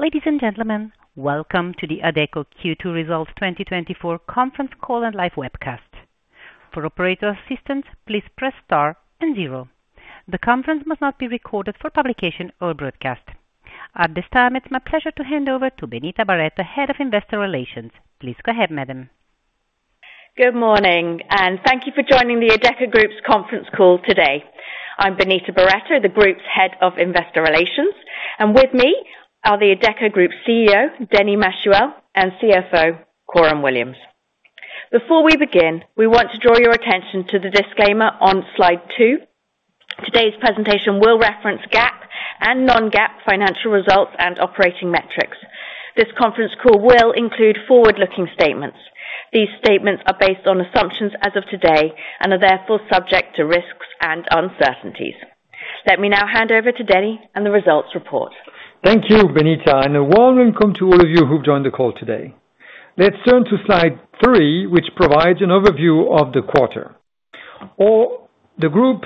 Ladies and gentlemen, welcome to the Adecco Q2 Results 2024 Conference Call and Live Webcast. For operator assistance, please press star and zero. The conference must not be recorded for publication or broadcast. At this time, it's my pleasure to hand over to Benita Barretto, Head of Investor Relations. Please go ahead, madam. Good morning, and thank you for joining the Adecco Group's conference call today. I'm Benita Barretto, the group's Head of Investor Relations, and with me are the Adecco Group CEO, Denis Machuel, and CFO, Coram Williams. Before we begin, we want to draw your attention to the disclaimer on slide 2. Today's presentation will reference GAAP and non-GAAP financial results and operating metrics. This conference call will include forward-looking statements. These statements are based on assumptions as of today and are therefore subject to risks and uncertainties. Let me now hand over to Denis and the results report. Thank you, Benita, and a warm welcome to all of you who've joined the call today. Let's turn to slide 3, which provides an overview of the quarter. The group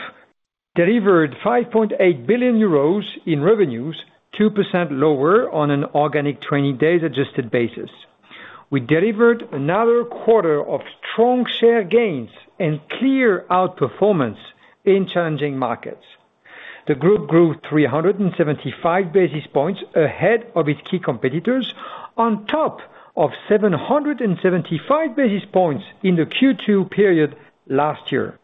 delivered 5.8 billion euros in revenues, 2% lower on an organic 20 days adjusted basis. We delivered another quarter of strong share gains and clear outperformance in challenging markets. The group grew 375 basis points ahead of its key competitors, on top of 775 basis points in the Q2 period last year.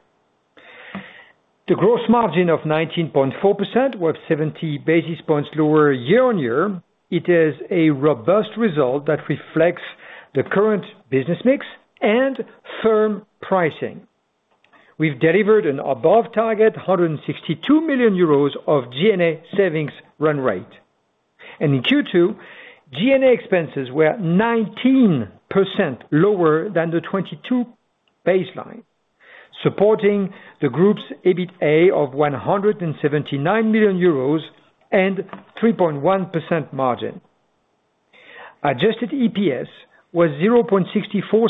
The gross margin of 19.4% was 70 basis points lower year-on-year. It is a robust result that reflects the current business mix and firm pricing. We've delivered an above target, 162 million euros of G&A savings run rate. In Q2, G&A expenses were 19% lower than the 2022 baseline, supporting the group's EBITA of 179 million euros and 3.1% margin. Adjusted EPS was 0.64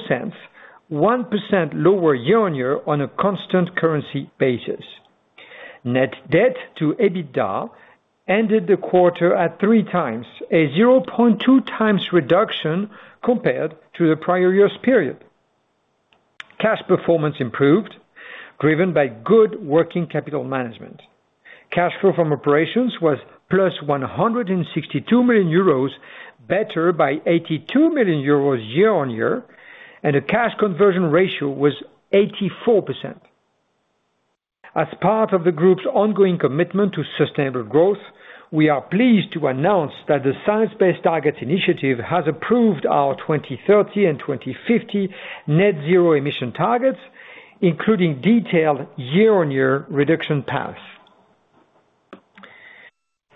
cents, 1% lower year-on-year on a constant currency basis. Net debt to EBITDA ended the quarter at 3 times, a 0.2 times reduction compared to the prior year's period. Cash performance improved, driven by good working capital management. Cash flow from operations was +162 million euros, better by 82 million euros year-on-year, and a cash conversion ratio was 84%. As part of the group's ongoing commitment to sustainable growth, we are pleased to announce that the Science Based Targets initiative has approved our 2030 and 2050 net zero emission targets, including detailed year-on-year reduction paths.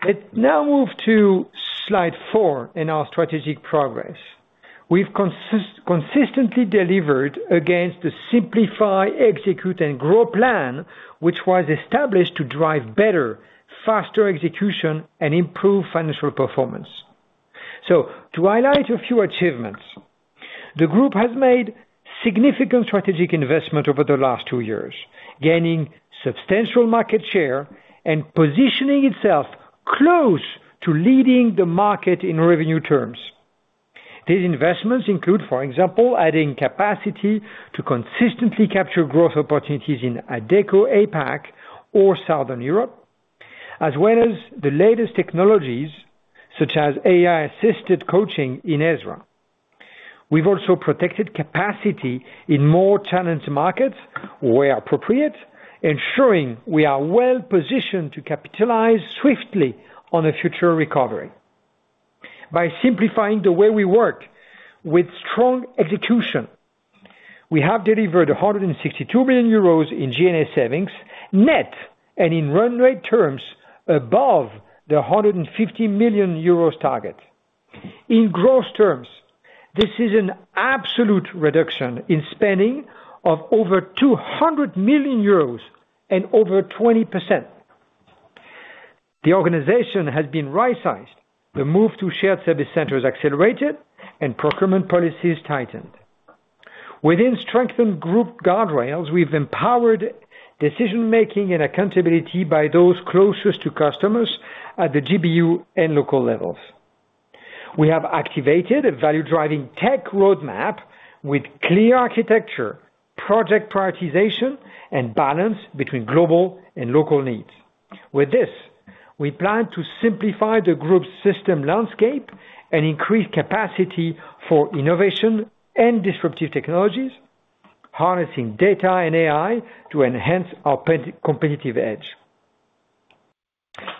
Let's now move to slide 4 in our strategic progress. We've consistently delivered against the Simplify, Execute, Grow plan, which was established to drive better, faster execution and improve financial performance. So to highlight a few achievements, the group has made significant strategic investment over the last two years, gaining substantial market share and positioning itself close to leading the market in revenue terms. These investments include, for example, adding capacity to consistently capture growth opportunities in Adecco APAC or Southern Europe, as well as the latest technologies such as AI-assisted coaching in Ezra. We've also protected capacity in more challenged markets where appropriate, ensuring we are well-positioned to capitalize swiftly on a future recovery. By simplifying the way we work with strong execution, we have delivered 162 million euros in G&A savings net and in run rate terms above the 150 million euros target. In gross terms, this is an absolute reduction in spending of over 200 million euros and over 20%. The organization has been right-sized. The move to shared service centers accelerated and procurement policies tightened. Within strengthened group guardrails, we've empowered decision-making and accountability by those closest to customers at the GBU and local levels. We have activated a value-driving tech roadmap with clear architecture, project prioritization, and balance between global and local needs. With this, we plan to simplify the group's system landscape and increase capacity for innovation and disruptive technologies, harnessing data and AI to enhance our competitive edge.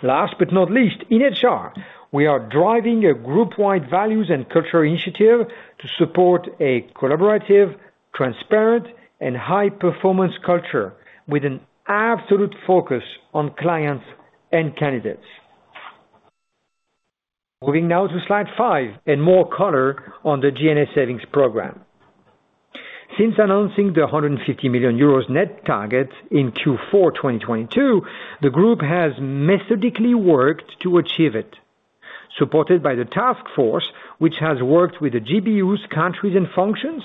Last but not least, in HR, we are driving a group-wide values and culture initiative to support a collaborative, transparent, and high-performance culture with an absolute focus on clients and candidates. Moving now to slide 5 and more color on the G&A savings program. Since announcing the 150 million euros net target in Q4 2022, the group has methodically worked to achieve it, supported by the task force, which has worked with the GBUs, countries, and functions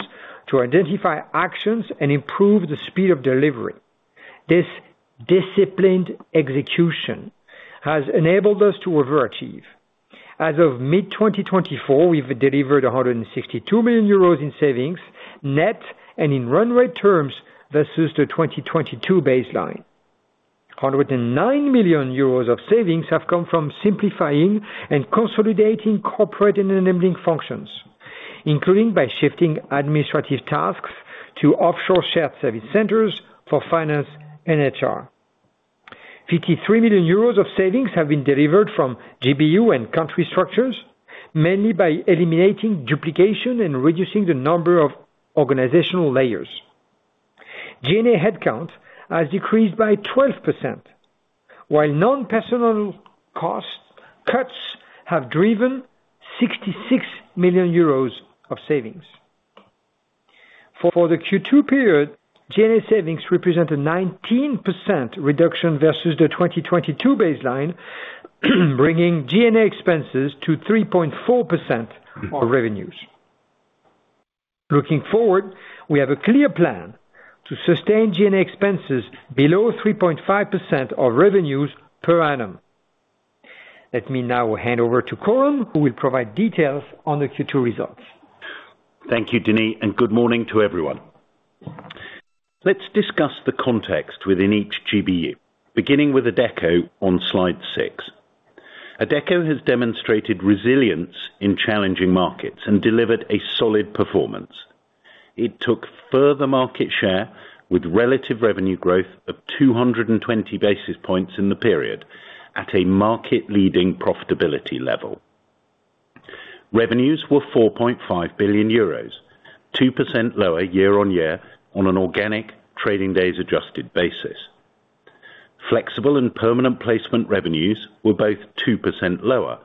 to identify actions and improve the speed of delivery. This disciplined execution has enabled us to overachieve. As of mid-2024, we've delivered 162 million euros in savings, net and in run rate terms versus the 2022 baseline. 109 million euros of savings have come from simplifying and consolidating corporate enabling functions, including by shifting administrative tasks to offshore shared service centers for finance and HR. 53 million euros of savings have been delivered from GBU and country structures, mainly by eliminating duplication and reducing the number of organizational layers. G&A headcount has decreased by 12%, while non-personnel cost cuts have driven 66 million euros of savings. For the Q2 period, G&A savings represent a 19% reduction versus the 2022 baseline, bringing G&A expenses to 3.4% of revenues. Looking forward, we have a clear plan to sustain G&A expenses below 3.5% of revenues per annum. Let me now hand over to Coram, who will provide details on the Q2 results. Thank you, Denis, and good morning to everyone. Let's discuss the context within each GBU, beginning with Adecco on slide 6. Adecco has demonstrated resilience in challenging markets and delivered a solid performance. It took further market share with relative revenue growth of 220 basis points in the period, at a market-leading profitability level. Revenues were 4.5 billion euros, 2% lower year-over-year on an organic trading days adjusted basis. Flexible and permanent placement revenues were both 2% lower,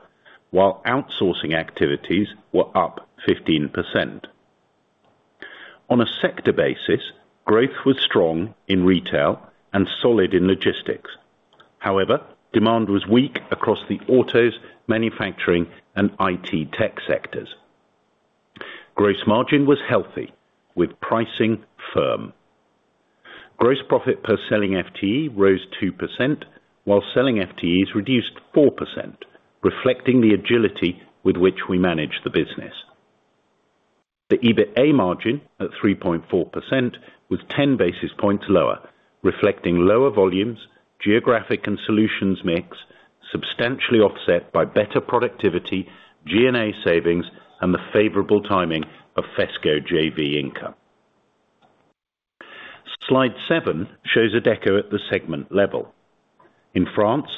while outsourcing activities were up 15%. On a sector basis, growth was strong in retail and solid in logistics. However, demand was weak across the autos, manufacturing, and IT tech sectors. Gross margin was healthy, with pricing firm. Gross profit per selling FTE rose 2%, while selling FTEs reduced 4%, reflecting the agility with which we manage the business. The EBITA margin at 3.4% was 10 basis points lower, reflecting lower volumes, geographic and solutions mix, substantially offset by better productivity, G&A savings, and the favorable timing of FESCO JV income. Slide 7 shows Adecco at the segment level. In France,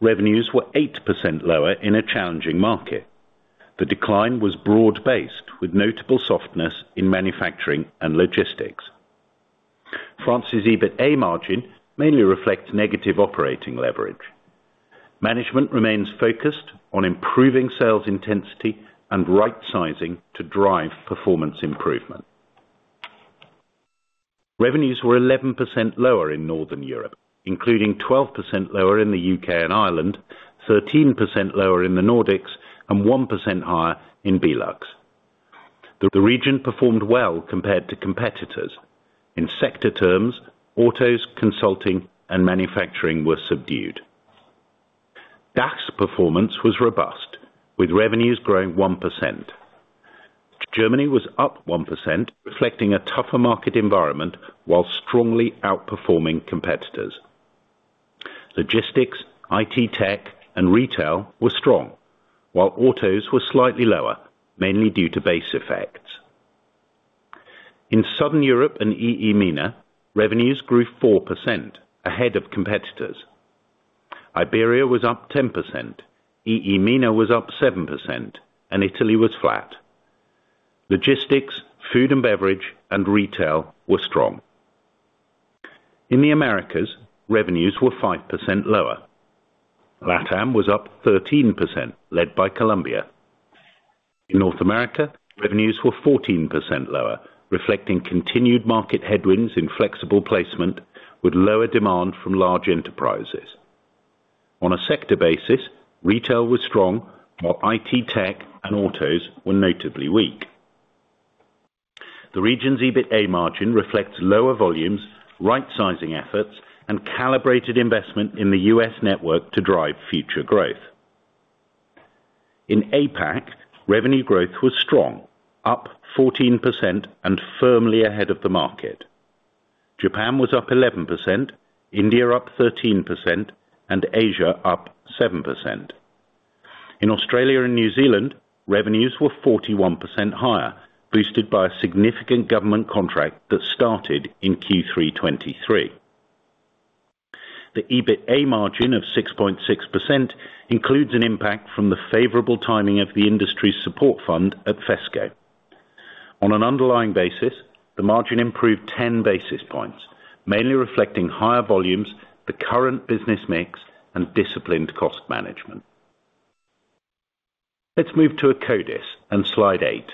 revenues were 8% lower in a challenging market. The decline was broad-based, with notable softness in manufacturing and logistics. France's EBITA margin mainly reflects negative operating leverage. Management remains focused on improving sales intensity and right sizing to drive performance improvement. Revenues were 11% lower in Northern Europe, including 12% lower in the U.K. and Ireland, 13% lower in the Nordics, and 1% higher in BeLux. The region performed well compared to competitors. In sector terms, autos, consulting, and manufacturing were subdued. DACH's performance was robust, with revenues growing 1%. Germany was up 1%, reflecting a tougher market environment, while strongly outperforming competitors. Logistics, IT tech, and retail were strong, while autos were slightly lower, mainly due to base effects. In Southern Europe and EEMENA, revenues grew 4%, ahead of competitors. Iberia was up 10%, EEMENA was up 7%, and Italy was flat. Logistics, food and beverage, and retail were strong. In the Americas, revenues were 5% lower. LatAm was up 13%, led by Colombia. In North America, revenues were 14% lower, reflecting continued market headwinds in Flexible Placement, with lower demand from large enterprises. On a sector basis, retail was strong, while IT tech and autos were notably weak. The region's EBITA margin reflects lower volumes, right sizing efforts, and calibrated investment in the U.S. network to drive future growth. In APAC, revenue growth was strong, up 14% and firmly ahead of the market. Japan was up 11%, India up 13%, and Asia up 7%. In Australia and New Zealand, revenues were 41% higher, boosted by a significant government contract that started in Q3 2023. The EBITA margin of 6.6% includes an impact from the favorable timing of the industry's support fund at FESCO. On an underlying basis, the margin improved 10 basis points, mainly reflecting higher volumes, the current business mix, and disciplined cost management. Let's move to Akkodis and slide 8.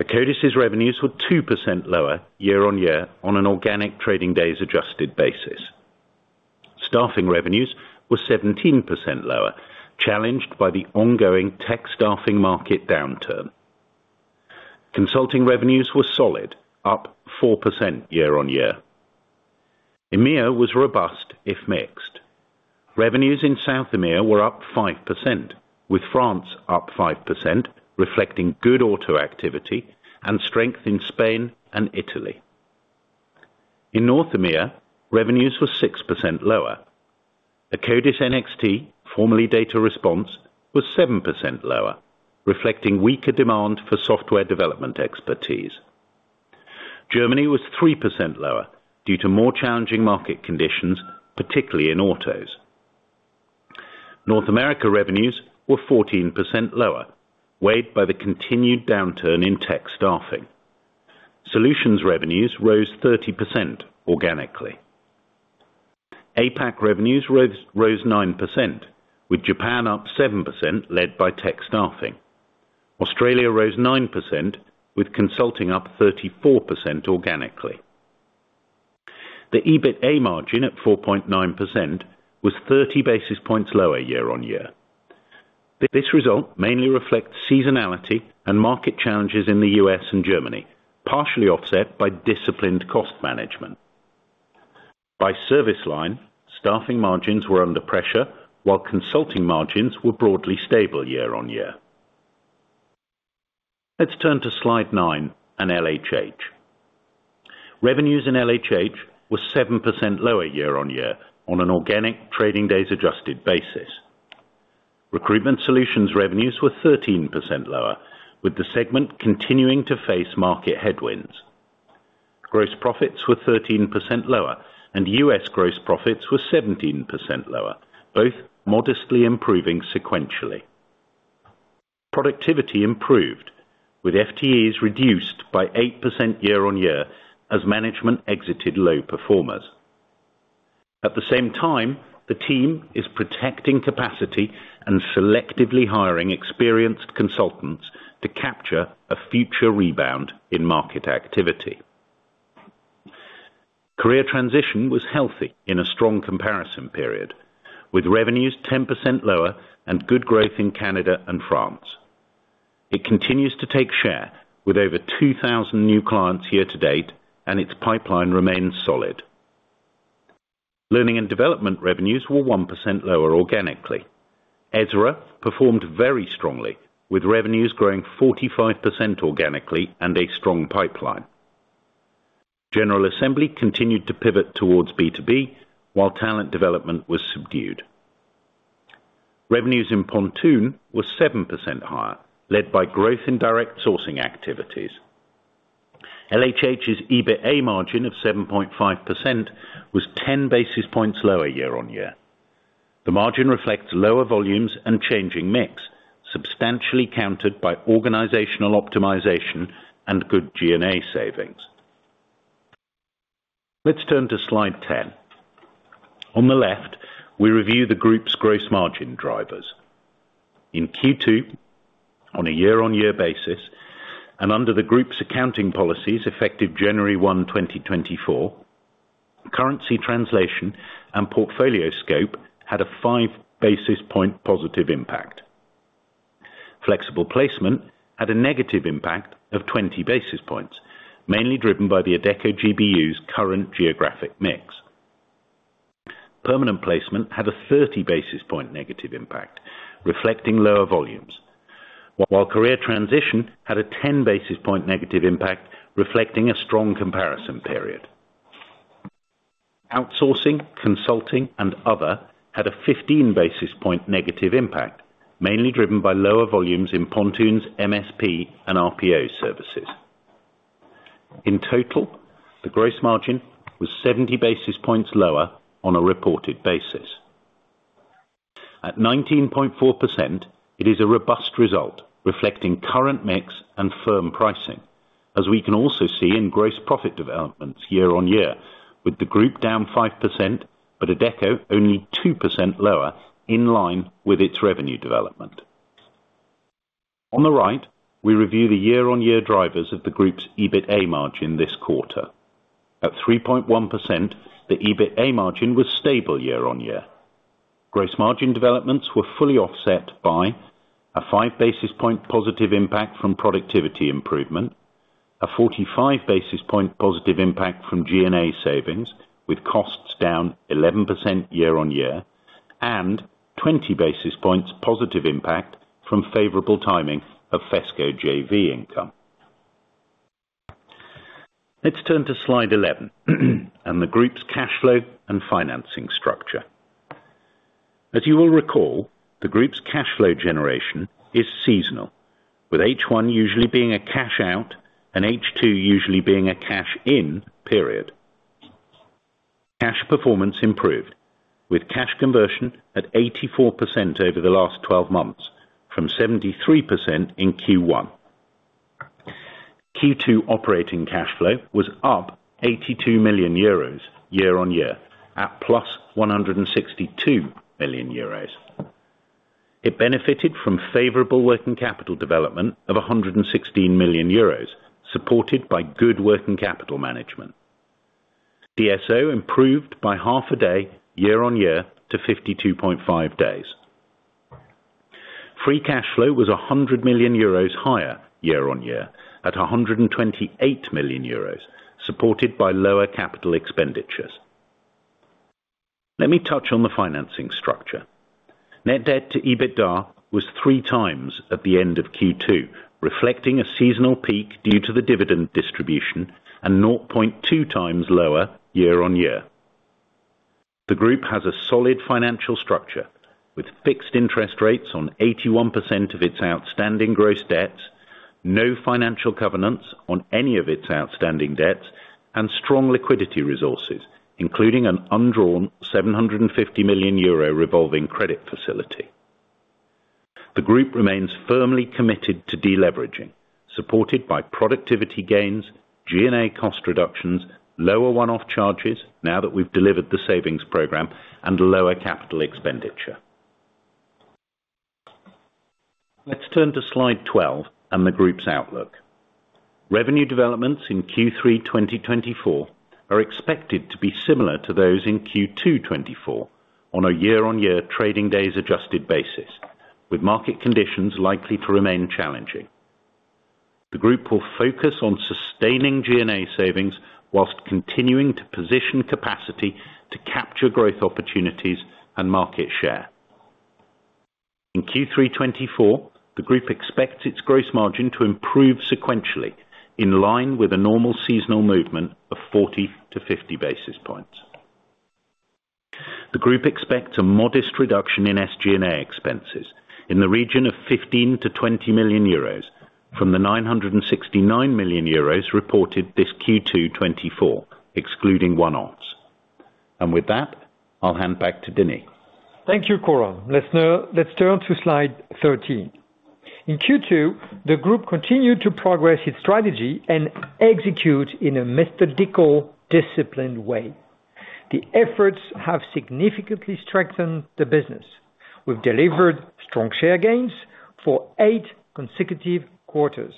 Akkodis' revenues were 2% lower year-on-year on an organic trading days adjusted basis.. Staffing revenues were 17% lower, challenged by the ongoing Tech Staffing market downturn. Consulting revenues were solid, up 4% year-on-year. EMEA was robust, if mixed. Revenues in South EMEA were up 5%, with France up 5%, reflecting good auto activity and strength in Spain and Italy. In North EMEA, revenues were 6% lower. Akkodis Nordics, formerly Data Respons, was 7% lower, reflecting weaker demand for software development expertise. Germany was 3% lower due to more challenging market conditions, particularly in autos. North America revenues were 14% lower, weighed by the continued downturn in Tech Staffing. Solutions revenues rose 30% organically. APAC revenues rose 9%, with Japan up 7%, led by Tech Staffing. Australia rose 9%, with consulting up 34% organically. The EBITA margin at 4.9% was 30 basis points lower year-on-year. This result mainly reflects seasonality and market challenges in the U.S. and Germany, partially offset by disciplined cost management. By service line, staffing margins were under pressure, while consulting margins were broadly stable year-on-year. Let's turn to slide 9 and LHH. Revenues in LHH were 7% lower year-on-year on an organic trading days adjusted basis. Recruitment Solutions revenues were 13% lower, with the segment continuing to face market headwinds. Gross profits were 13% lower, and U.S. gross profits were 17% lower, both modestly improving sequentially. Productivity improved, with FTEs reduced by 8% year-on-year as management exited low performers. At the same time, the team is protecting capacity and selectively hiring experienced consultants to capture a future rebound in market activity. Career Transition was healthy in a strong comparison period, with revenues 10% lower and good growth in Canada and France. It continues to take share with over 2,000 new clients year to date, and its pipeline remains solid. Learning and Development revenues were 1% lower organically. Ezra performed very strongly, with revenues growing 45% organically and a strong pipeline. General Assembly continued to pivot towards B2B, while Talent Development was subdued. Revenues in Pontoon were 7% higher, led by growth in direct sourcing activities. LHH's EBITA margin of 7.5% was 10 basis points lower year-on-year. The margin reflects lower volumes and changing mix, substantially countered by organizational optimization and good G&A savings. Let's turn to slide 10. On the left, we review the group's gross margin drivers. In Q2, on a year-on-year basis, and under the Group's accounting policies effective January 1st, 2024, currency translation and portfolio scope had a 5 basis points positive impact. Flexible Placement had a negative impact of 20 basis points, mainly driven by the Adecco GBU's current geographic mix. Permanent Placement had a 30 basis points negative impact, reflecting lower volumes, while Career Transition had a 10 basis points negative impact, reflecting a strong comparison period. Outsourcing, Consulting, and other had a 15 basis points negative impact, mainly driven by lower volumes in Pontoon's MSP and RPO services. In total, the gross margin was 70 basis points lower on a reported basis. At 19.4%, it is a robust result, reflecting current mix and firm pricing, as we can also see in gross profit developments year-on-year, with the group down 5%, but Adecco only 2% lower, in line with its revenue development. On the right, we review the year-on-year drivers of the group's EBITA margin this quarter. At 3.1%, the EBITA margin was stable year-on-year. Gross margin developments were fully offset by a 5 basis point positive impact from productivity improvement, a 45 basis point positive impact from G&A savings, with costs down 11% year-on-year, and 20 basis points positive impact from favorable timing of FESCO JV income. Let's turn to slide 11, and the group's cash flow and financing structure. As you will recall, the group's cash flow generation is seasonal, with H1 usually being a cash out and H2 usually being a cash in period. Cash performance improved, with cash conversion at 84% over the last 12 months, from 73% in Q1. Q2 operating cash flow was up 82 million euros year-on-year, at +162 million euros. It benefited from favorable working capital development of 116 million euros, supported by good working capital management. DSO improved by half a day, year-on-year to 52.5 days. Free cash flow was 100 million euros higher year-on-year, at 128 million euros, supported by lower capital expenditures. Let me touch on the financing structure. Net debt to EBITDA was 3 times at the end of Q2, reflecting a seasonal peak due to the dividend distribution and 0.2 times lower year-on-year. The group has a solid financial structure, with fixed interest rates on 81% of its outstanding gross debt, no financial covenants on any of its outstanding debts, and strong liquidity resources, including an undrawn 750 million euro revolving credit facility. The group remains firmly committed to deleveraging, supported by productivity gains, G&A cost reductions, lower one-off charges now that we've delivered the savings program, and lower capital expenditure. Let's turn to slide 12 and the group's outlook. Revenue developments in Q3 2024 are expected to be similar to those in Q2 2024, on a year-on-year trading days adjusted basis, with market conditions likely to remain challenging. The group will focus on sustaining G&A savings while continuing to position capacity to capture growth opportunities and market share. In Q3 2024, the group expects its gross margin to improve sequentially, in line with a normal seasonal movement of 40-50 basis points. The group expects a modest reduction in SG&A expenses in the region of 15 million-20 million euros from the 969 million euros reported this Q2 2024, excluding one-offs. With that, I'll hand back to Denis. Thank you, Coram. Let's now turn to slide 13. In Q2, the group continued to progress its strategy and execute in a methodical, disciplined way. The efforts have significantly strengthened the business. We've delivered strong share gains for eight consecutive quarters.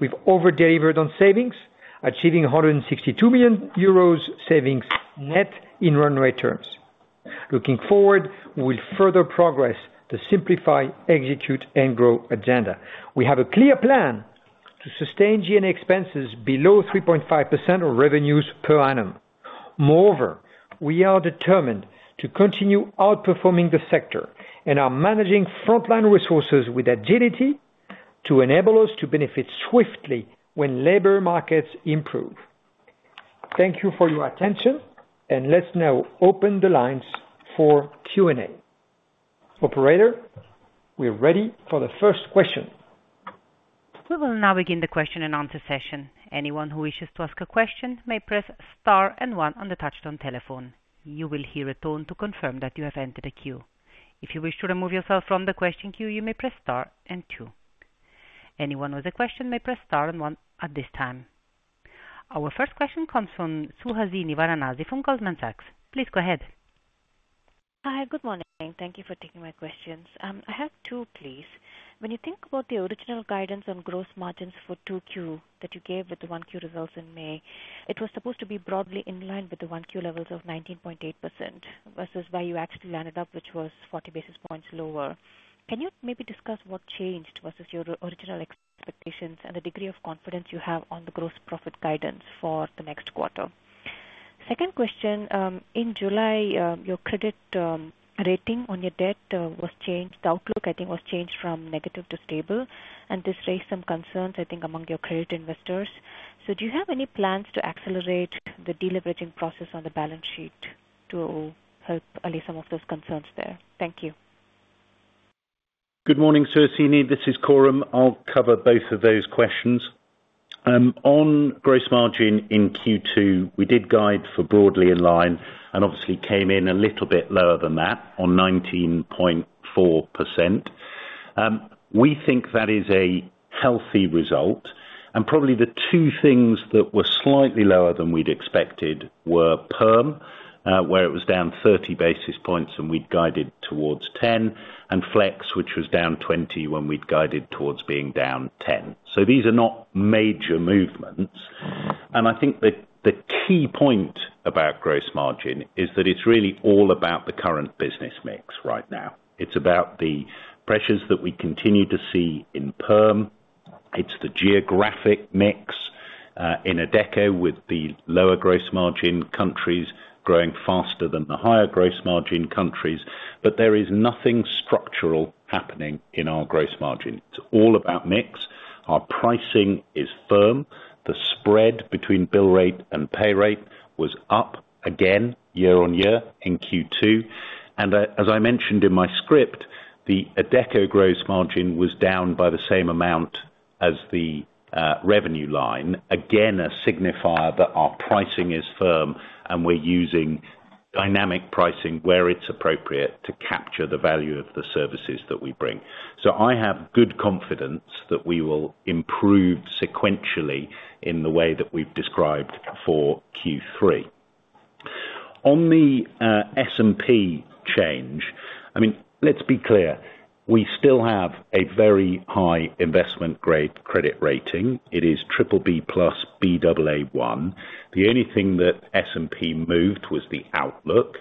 We've over-delivered on savings, achieving 162 million euros savings net in run rate terms. Looking forward, we will further progress to Simplify, Execute, and Grow agenda. We have a clear plan to sustain G&A expenses below 3.5% of revenues per annum. Moreover, we are determined to continue outperforming the sector and are managing frontline resources with agility to enable us to benefit swiftly when labor markets improve. Thank you for your attention, and let's now open the lines for Q&A. Operator, we are ready for the first question. We will now begin the question-and-answer session. Anyone who wishes to ask a question may press star and one on the touchtone telephone. You will hear a tone to confirm that you have entered a queue. If you wish to remove yourself from the question queue, you may press star and two. Anyone with a question may press star and one at this time. Our first question comes from Suhasini Varanasi from Goldman Sachs. Please go ahead. Hi, good morning. Thank you for taking my questions. I have two, please. When you think about the original guidance on gross margins for 2Q that you gave with the 1Q results in May, it was supposed to be broadly in line with the 1Q levels of 19.8% versus where you actually landed up, which was 40 basis points lower. Can you maybe discuss what changed versus your original expectations and the degree of confidence you have on the gross profit guidance for the next quarter? Second question, in July, your credit rating on your debt was changed. The outlook, I think, was changed from negative to stable, and this raised some concerns, I think, among your credit investors. So do you have any plans to accelerate the deleveraging process on the balance sheet to help allay some of those concerns there? Thank you. Good morning, Suhasini. This is Coram. I'll cover both of those questions. On gross margin in Q2, we did guide for broadly in line and obviously came in a little bit lower than that on 19.4%. We think that is a healthy result, and probably the two things that were slightly lower than we'd expected were perm, where it was down 30 basis points, and we'd guided towards 10, and flex, which was down 20, when we'd guided towards being down 10. So these are not major movements, and I think the, the key point about gross margin is that it's really all about the current business mix right now. It's about the pressures that we continue to see in perm. It's the geographic mix, in Adecco, with the lower gross margin countries growing faster than the higher gross margin countries. But there is nothing structural happening in our gross margin. It's all about mix. Our pricing is firm. The spread between bill rate and pay rate was up again year-on-year in Q2. And as I mentioned in my script, the Adecco gross margin was down by the same amount as the revenue line. Again, a signifier that our pricing is firm, and we're using dynamic pricing where it's appropriate to capture the value of the services that we bring. So I have good confidence that we will improve sequentially in the way that we've described for Q3. On the S&P change, I mean, let's be clear, we still have a very high investment grade credit rating. It is BBB+, Baa1. The only thing that S&P moved was the outlook,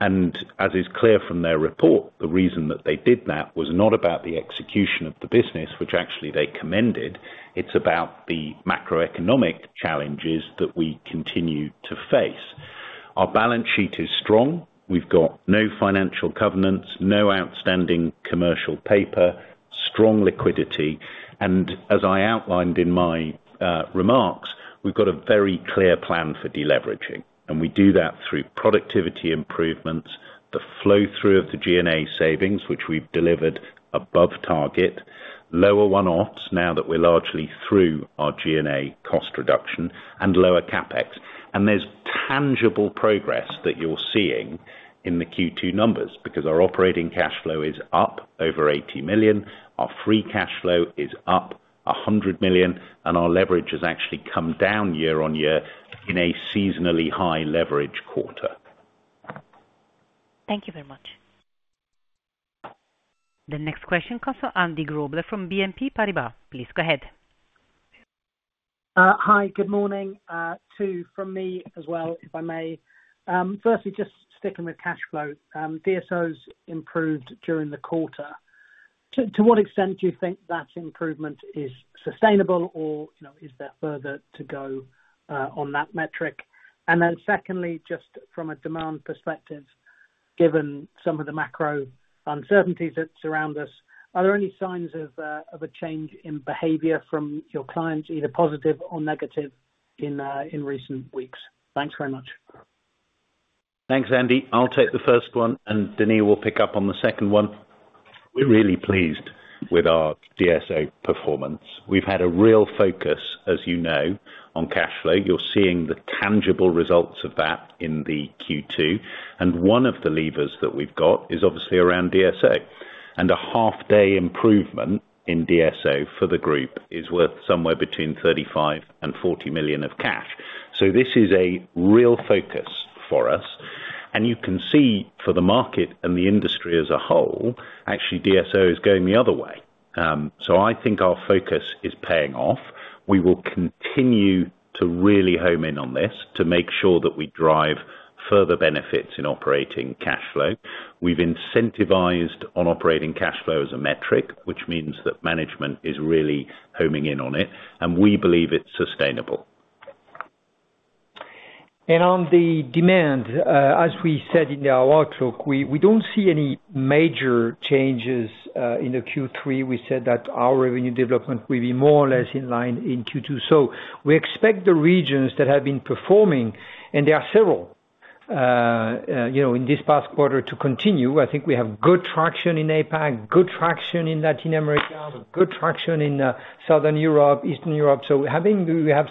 and as is clear from their report, the reason that they did that was not about the execution of the business, which actually they commended, it's about the macroeconomic challenges that we continue to face. Our balance sheet is strong, we've got no financial covenants, no outstanding commercial paper, strong liquidity, and as I outlined in my remarks, we've got a very clear plan for deleveraging, and we do that through productivity improvements, the flow through of the G&A savings, which we've delivered above target, lower one-offs now that we're largely through our G&A cost reduction, and lower CapEx. There's tangible progress that you're seeing in the Q2 numbers, because our operating cash flow is up over 80 million, our free cash flow is up 100 million, and our leverage has actually come down year-on-year in a seasonally high leverage quarter. Thank you very much. The next question comes from Andy Grobler from BNP Paribas. Please go ahead. Hi, good morning. Two from me as well, if I may. Firstly, just sticking with cash flow, DSOs improved during the quarter. To what extent do you think that improvement is sustainable or, you know, is there further to go on that metric? And then secondly, just from a demand perspective, given some of the macro uncertainties that surround us, are there any signs of a change in behavior from your clients, either positive or negative, in recent weeks? Thanks very much. Thanks, Andy. I'll take the first one, and Denis will pick up on the second one. We're really pleased with our DSO performance. We've had a real focus, as you know, on cash flow. You're seeing the tangible results of that in the Q2, and one of the levers that we've got is obviously around DSO. A half day improvement in DSO for the group is worth somewhere between 35 million-40 million of cash. This is a real focus for us, and you can see for the market and the industry as a whole, actually, DSO is going the other way. I think our focus is paying off. We will continue to really home in on this to make sure that we drive further benefits in operating cash flow. We've incentivized on operating cash flow as a metric, which means that management is really homing in on it, and we believe it's sustainable. On the demand, as we said in our outlook, we don't see any major changes in the Q3. We said that our revenue development will be more or less in line in Q2. So we expect the regions that have been performing, and there are several, you know, in this past quarter, to continue. I think we have good traction in APAC, good traction in Latin America, good traction in Southern Europe, Eastern Europe, so we have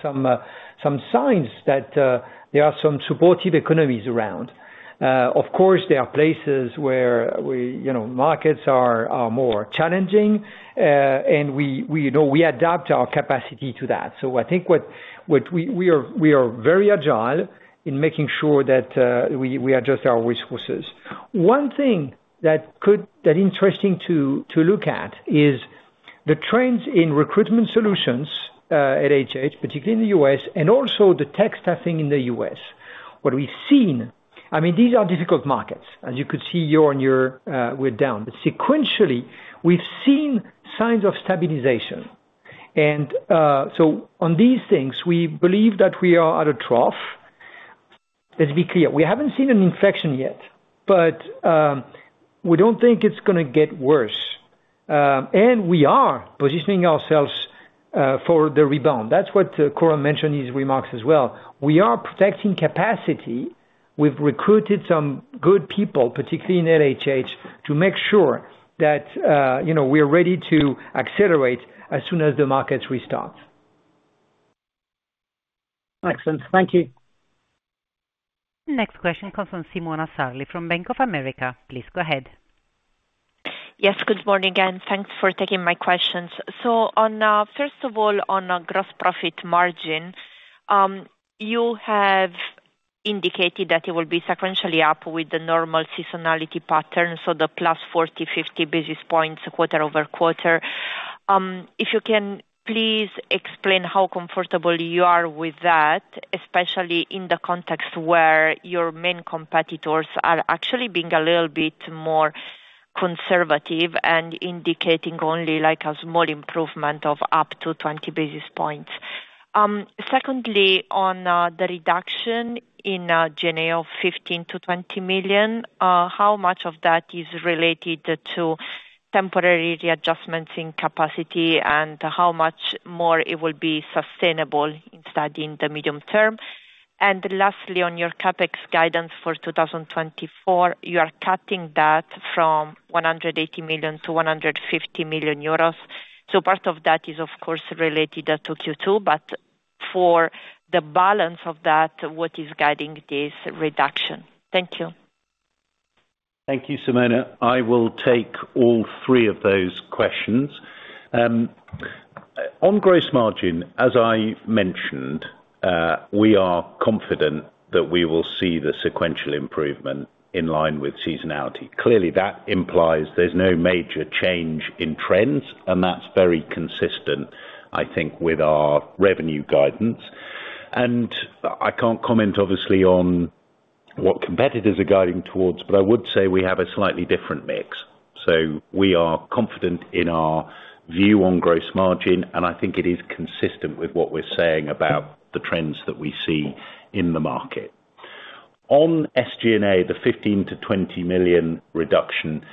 some signs that there are some supportive economies around. Of course, there are places where we, you know, markets are more challenging, and we adapt our capacity to that. So I think what we are, we are very agile in making sure that we adjust our resources. One thing that's interesting to look at is the trends in Recruitment Solutions at LHH, particularly in the U.S., and also the Tech Staffing in the U.S. What we've seen, I mean, these are difficult markets. As you could see, year-on-year, we're down. But sequentially, we've seen signs of stabilization. And so on these things, we believe that we are at a trough. Let's be clear, we haven't seen an inflection yet, but we don't think it's gonna get worse, and we are positioning ourselves for the rebound. That's what Coram mentioned in his remarks as well. We are protecting capacity. We've recruited some good people, particularly in LHH, to make sure that you know, we're ready to accelerate as soon as the markets restart. Excellent. Thank you. Next question comes from Simona Sarli from Bank of America. Please go ahead. Yes, good morning again. Thanks for taking my questions. So on, first of all, on a gross profit margin, you have indicated that it will be sequentially up with the normal seasonality pattern, so +40-50 basis points quarter-over-quarter. If you can please explain how comfortable you are with that, especially in the context where your main competitors are actually being a little bit more conservative and indicating only like a small improvement of up to 20 basis points. Secondly, on, the reduction in, G&A of 15 million-20 million, how much of that is related to temporary readjustments in capacity, and how much more it will be sustainable in studying the medium term? And lastly, on your CapEx guidance for 2024, you are cutting that from 180 million-150 million euros. Part of that is, of course, related to Q2, but for the balance of that, what is guiding this reduction? Thank you. Thank you, Simona. I will take all three of those questions. On gross margin, as I mentioned, we are confident that we will see the sequential improvement in line with seasonality. Clearly, that implies there's no major change in trends, and that's very consistent, I think, with our revenue guidance. I can't comment, obviously, on what competitors are guiding towards, but I would say we have a slightly different mix. We are confident in our view on gross margin, and I think it is consistent with what we're saying about the trends that we see in the market. On SG&A, the 15 million-20 million reduction,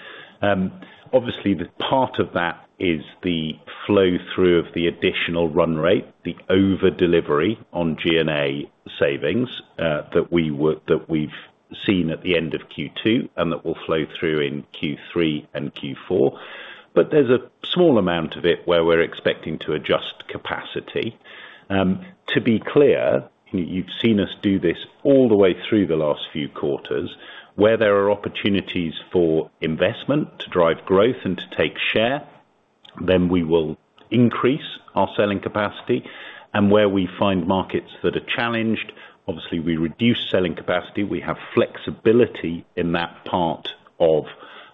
obviously, the part of that is the flow-through of the additional run rate, the over delivery on G&A savings, that we've seen at the end of Q2, and that will flow through in Q3 and Q4. But there's a small amount of it where we're expecting to adjust capacity. To be clear, you've seen us do this all the way through the last few quarters, where there are opportunities for investment to drive growth and to take share, then we will increase our selling capacity. And where we find markets that are challenged, obviously, we reduce selling capacity. We have flexibility in that part of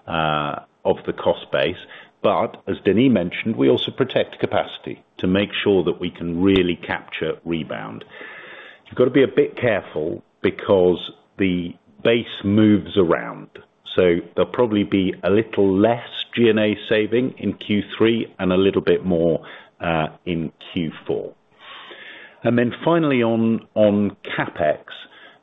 the cost base. But as Denis mentioned, we also protect capacity to make sure that we can really capture rebound. You've got to be a bit careful because the base moves around, so there'll probably be a little less G&A saving in Q3 and a little bit more in Q4. And then finally, on, on CapEx,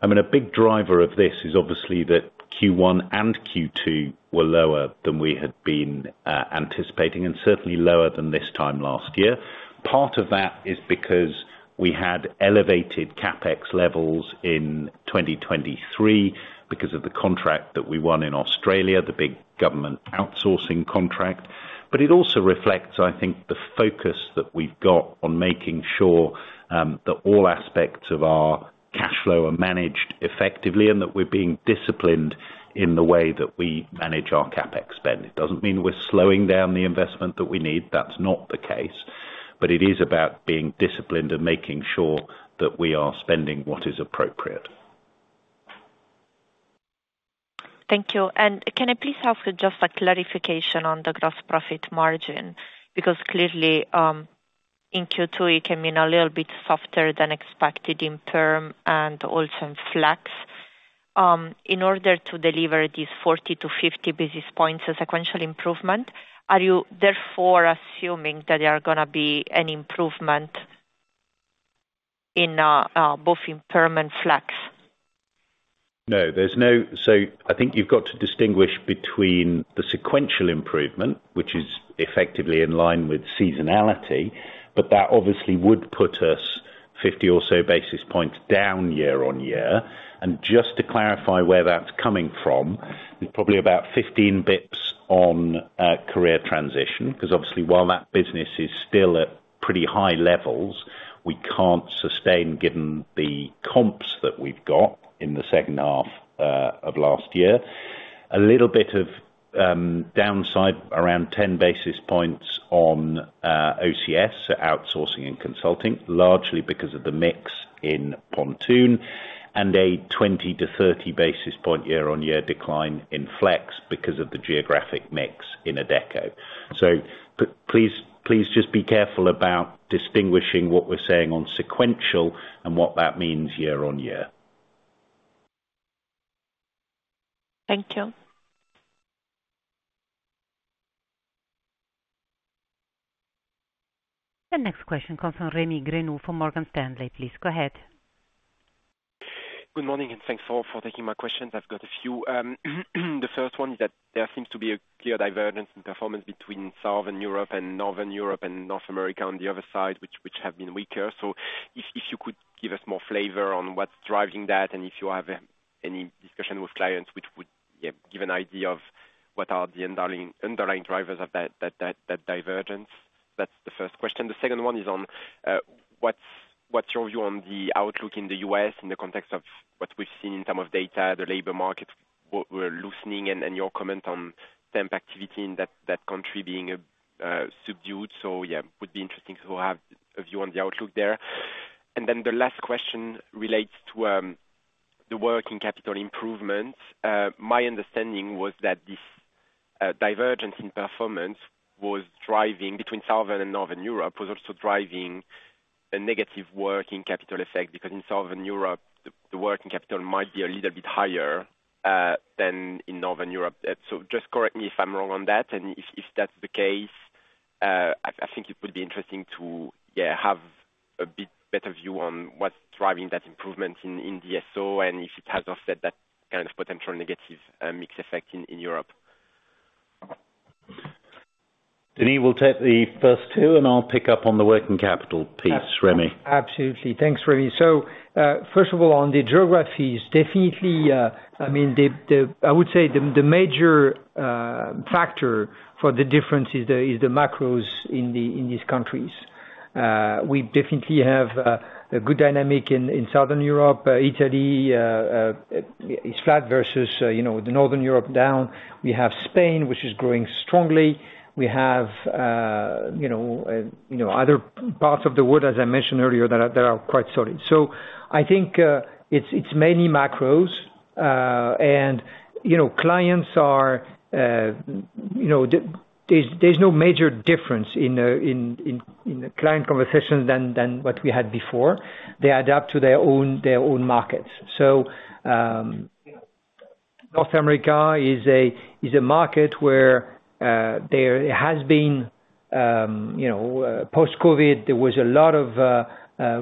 I mean, a big driver of this is obviously that Q1 and Q2 were lower than we had been anticipating, and certainly lower than this time last year. Part of that is because we had elevated CapEx levels in 2023 because of the contract that we won in Australia, the big government outsourcing contract. But it also reflects, I think, the focus that we've got on making sure that all aspects of our cash flow are managed effectively, and that we're being disciplined in the way that we manage our CapEx spend. It doesn't mean we're slowing down the investment that we need, that's not the case, but it is about being disciplined and making sure that we are spending what is appropriate. Thank you. And can I please have just a clarification on the gross profit margin? Because clearly, in Q2, it came in a little bit softer than expected in perm and also in flex. In order to deliver this 40-50 basis points, a sequential improvement, are you therefore assuming that there are gonna be an improvement in both in perm and flex? No, there's no. So I think you've got to distinguish between the sequential improvement, which is effectively in line with seasonality, but that obviously would put us 50 or so basis points down year-on-year. And just to clarify where that's coming from, it's probably about 15 basis points on Career Transition, because obviously while that business is still at pretty high levels, we can't sustain, given the comps that we've got in the second half of last year. A little bit of downside, around 10 basis points on OCS, so outsourcing and consulting, largely because of the mix in Pontoon, and a 20-30 basis point year-on-year decline in flex because of the geographic mix in Adecco. So please, please just be careful about distinguishing what we're saying on sequential and what that means year-on-year. Thank you. The next question comes from Rémi Grenu for Morgan Stanley. Please go ahead. Good morning, and thanks for taking my questions. I've got a few. The first one is that there seems to be a clear divergence in performance between Southern Europe and Northern Europe and North America on the other side, which have been weaker. So if you could give us more flavor on what's driving that, and if you have any discussion with clients which would, yeah, give an idea of what are the underlying drivers of that divergence? That's the first question. The second one is on what's your view on the outlook in the U.S. in the context of what we've seen in terms of data, the labor market, what we're loosening, and your comment on temp activity in that country being subdued. So yeah, it would be interesting to have a view on the outlook there. And then the last question relates to the working capital improvements. My understanding was that this divergence in performance between Southern and Northern Europe was also driving a negative working capital effect, because in Southern Europe, the working capital might be a little bit higher than in Northern Europe. So just correct me if I'm wrong on that, and if that's the case, I think it would be interesting to, yeah, have a bit better view on what's driving that improvement in the DSO, and if it has offset that kind of potential negative mix effect in Europe. Denis will take the first two, and I'll pick up on the working capital piece, Rémi. Absolutely. Thanks, Rémi. So, first of all, on the geographies, definitely, I mean, the major factor for the difference is the macros in these countries. We definitely have a good dynamic in Southern Europe. Italy, it's flat versus, you know, the Northern Europe down. We have Spain, which is growing strongly. We have, you know, other parts of the world, as I mentioned earlier, that are quite solid. So I think, it's mainly macros. And, you know, clients are, you know. There's no major difference in the client conversations than what we had before. They adapt to their own markets. So, North America is a market where there has been, you know, post-COVID, there was a lot of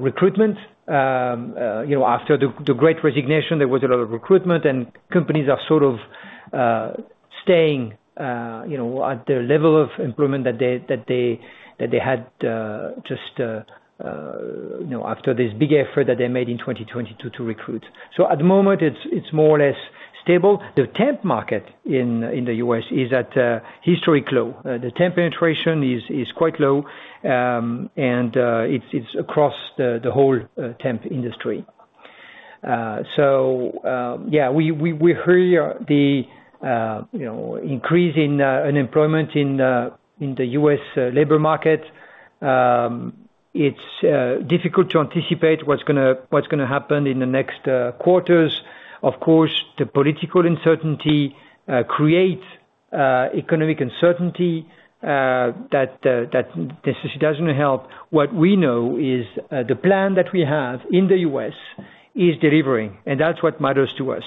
recruitment. You know, after the Great Resignation, there was a lot of recruitment, and companies are sort of staying, you know, at their level of employment that they had, you know, after this big effort that they made in 2022 to recruit. So at the moment, it's more or less stable. The temp market in the U.S. is at a historic low. The temp penetration is quite low, and it's across the whole temp industry. So, yeah, we hear the, you know, increase in unemployment in the U.S. labor market. It's difficult to anticipate what's gonna happen in the next quarters. Of course, the political uncertainty creates economic uncertainty that necessarily doesn't help. What we know is, the plan that we have in the U.S. is delivering, and that's what matters to us.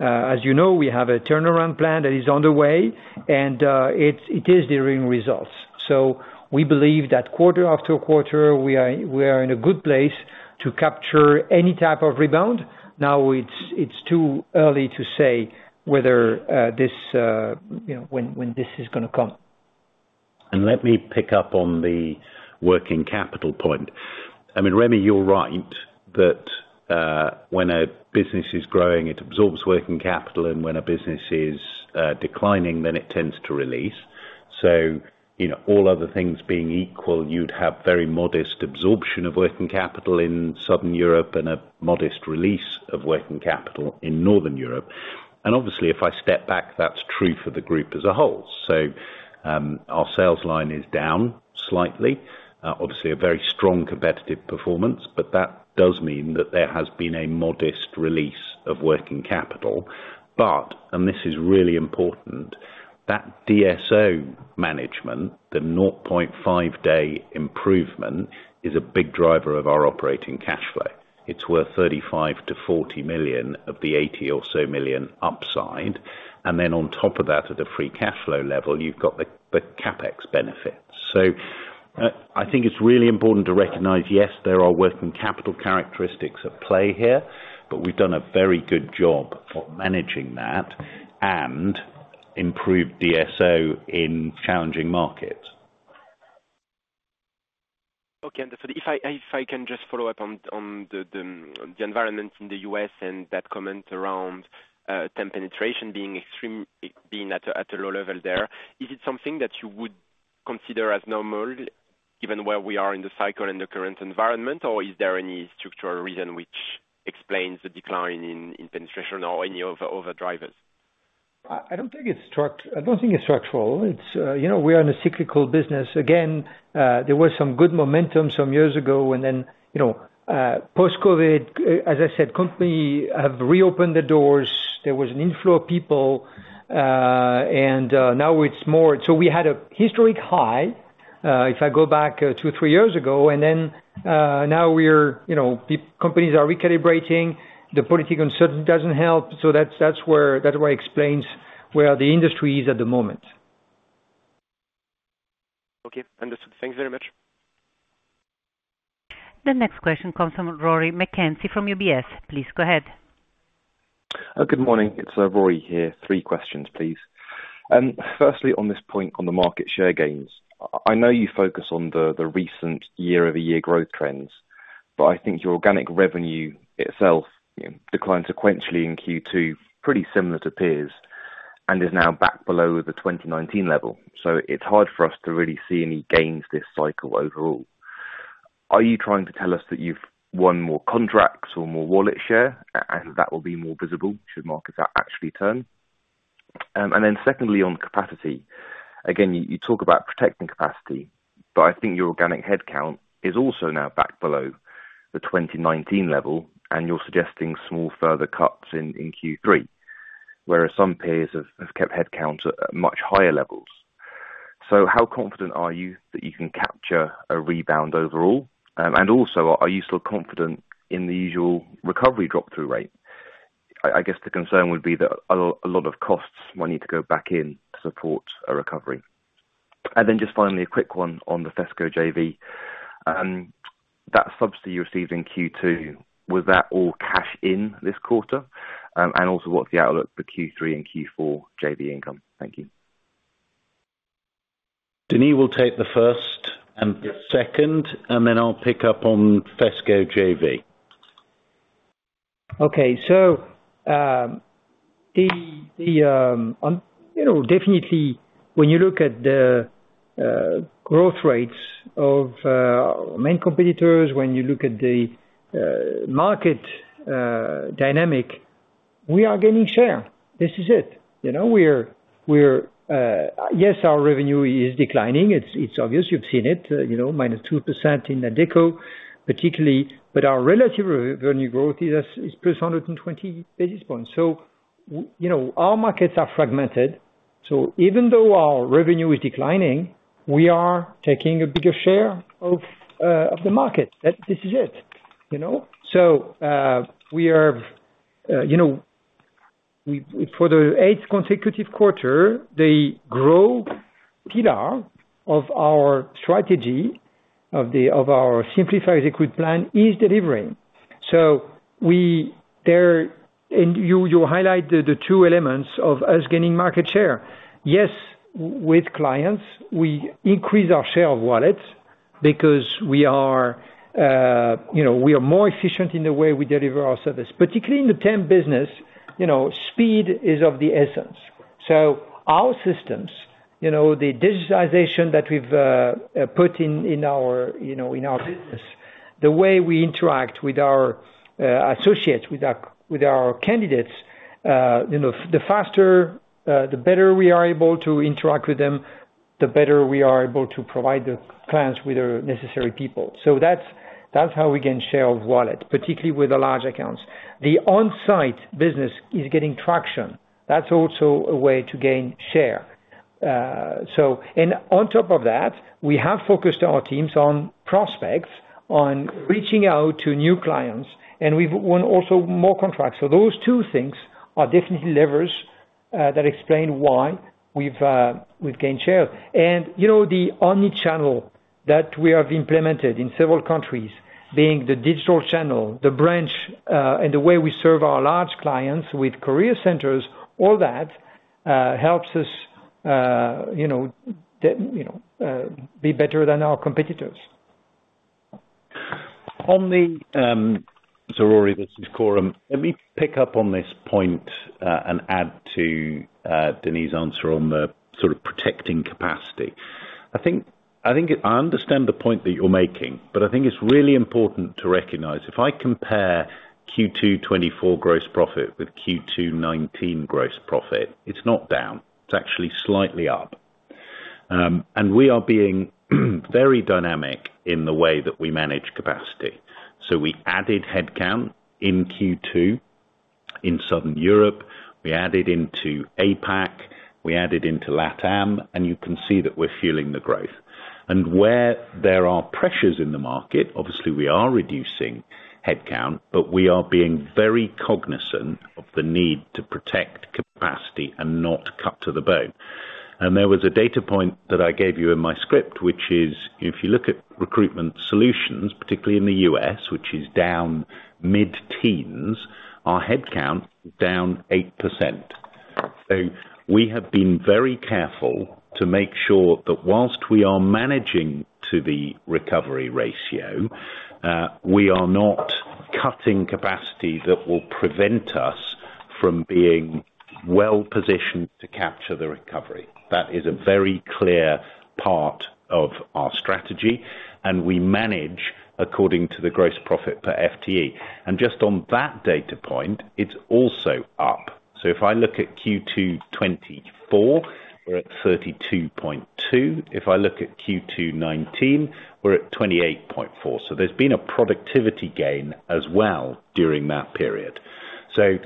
As you know, we have a turnaround plan that is underway, and it is delivering results. So we believe that quarter after quarter, we are in a good place to capture any type of rebound. Now, it's too early to say whether this you know when this is gonna come. Let me pick up on the working capital point. I mean, Rémi, you're right, that, when a business is growing, it absorbs working capital, and when a business is, declining, then it tends to release. So, you know, all other things being equal, you'd have very modest absorption of working capital in Southern Europe and a modest release of working capital in Northern Europe. And obviously, if I step back, that's true for the group as a whole. So, our sales line is down slightly. Obviously a very strong competitive performance, but that does mean that there has been a modest release of working capital. But, and this is really important, that DSO management, the 0.5-day improvement, is a big driver of our operating cashflow. It's worth 35 million-40 million of the 80 million or so upside. And then on top of that, at a free cash flow level, you've got the CapEx benefit. So, I think it's really important to recognize, yes, there are working capital characteristics at play here, but we've done a very good job of managing that and improved DSO in challenging markets. Okay, and if I can just follow up on the environment in the U.S. and that comment around temp penetration being extreme, being at a low level there, is it something that you would consider as normal, given where we are in the cycle and the current environment, or is there any structural reason which explains the decline in penetration or any other drivers? I don't think it's structural. It's, you know, we are in a cyclical business. Again, there was some good momentum some years ago, and then, you know, post-COVID, as I said, company have reopened the doors. There was an inflow of people, and, now it's more. So we had a historic high, if I go back, 2-3 years ago, and then, now we're, you know, companies are recalibrating. The political uncertainty doesn't help, so that's, that's where, that's what explains where the industry is at the moment. Okay, understood. Thanks very much. The next question comes from Rory McKenzie, from UBS. Please go ahead. Good morning. It's Rory here. Three questions, please. Firstly, on this point on the market share gains, I know you focus on the recent year-over-year growth trends, but I think your organic revenue itself, you know, declined sequentially in Q2, pretty similar to peers, and is now back below the 2019 level. So it's hard for us to really see any gains this cycle overall. Are you trying to tell us that you've won more contracts or more wallet share, and that will be more visible should markets actually turn? And then secondly, on capacity, again, you talk about protecting capacity, but I think your organic headcount is also now back below the 2019 level, and you're suggesting small further cuts in Q3, whereas some peers have kept headcount at much higher levels. So how confident are you that you can capture a rebound overall? And also, are you still confident in the usual recovery drop-through rate? I guess the concern would be that a lot, a lot of costs might need to go back in to support a recovery. And then just finally, a quick one on the FESCO JV. That subsidy you received in Q2, was that all cash in this quarter? And also, what's the outlook for Q3 and Q4 JV income? Thank you. Denis will take the first and the second, and then I'll pick up on FESCO JV. Okay, so, the you know, definitely when you look at the growth rates of main competitors, when you look at the market dynamic, we are gaining share. This is it. You know, yes, our revenue is declining. It's obvious you've seen it, you know, -2% in Adecco, particularly, but our relative revenue growth is +120 basis points. So, you know, our markets are fragmented, so even though our revenue is declining, we are taking a bigger share of the market. That this is it, you know? So, we are, you know, for the eighth consecutive quarter, the growth pillar of our strategy, of our Simplify, Execute, Grow plan is delivering. So we, there. You highlight the two elements of us gaining market share. Yes, with clients, we increase our share of wallet because we are, you know, we are more efficient in the way we deliver our service, particularly in the temp business, you know, speed is of the essence. So our systems, you know, the digitization that we've put in our business, the way we interact with our associates, with our candidates, you know, the faster the better we are able to interact with them, the better we are able to provide the clients with the necessary people. So that's how we gain share of wallet, particularly with the large accounts. The on-site business is getting traction. That's also a way to gain share. So, and on top of that, we have focused our teams on prospects, on reaching out to new clients, and we've won also more contracts. So those two things are definitely levers that explain why we've gained share. And, you know, the omni-channel that we have implemented in several countries, being the digital channel, the branch, and the way we serve our large clients with Career Centers, all that helps us, you know, to, you know, be better than our competitors. So Rory, this is Coram. Let me pick up on this point, and add to Denis's answer on the sort of protecting capacity. I think, I think I understand the point that you're making, but I think it's really important to recognize, if I compare Q2 2024 gross profit with Q2 2019 gross profit, it's not down, it's actually slightly up. And we are being very dynamic in the way that we manage capacity. So we added headcount in Q2, in Southern Europe, we added into APAC, we added into LatAm, and you can see that we're fueling the growth. And where there are pressures in the market, obviously, we are reducing headcount, but we are being very cognizant of the need to protect capacity and not cut to the bone. There was a data point that I gave you in my script, which is, if you look at Recruitment Solutions, particularly in the U.S., which is down mid-teens, our headcount is down 8%. So we have been very careful to make sure that while we are managing to the recovery ratio, we are not cutting capacity that will prevent us from being well positioned to capture the recovery. That is a very clear part of our strategy, and we manage according to the gross profit per FTE. And just on that data point, it's also up. So if I look at Q2 2024, we're at 32.2. If I look at Q2 2019, we're at 28.4. So there's been a productivity gain as well during that period. So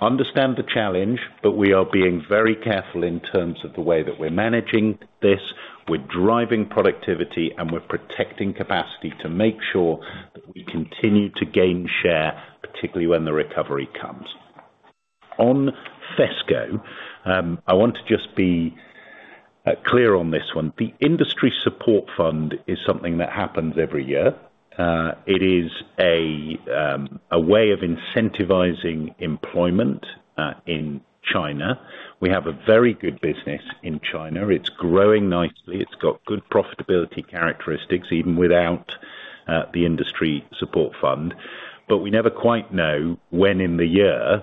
understand the challenge, but we are being very careful in terms of the way that we're managing this. We're driving productivity, and we're protecting capacity to make sure that we continue to gain share, particularly when the recovery comes. On FESCO, I want to just be clear on this one. The Industry Support Fund is something that happens every year. It is a way of incentivizing employment in China. We have a very good business in China. It's growing nicely, it's got good profitability characteristics, even without the Industry Support Fund. But we never quite know when in the year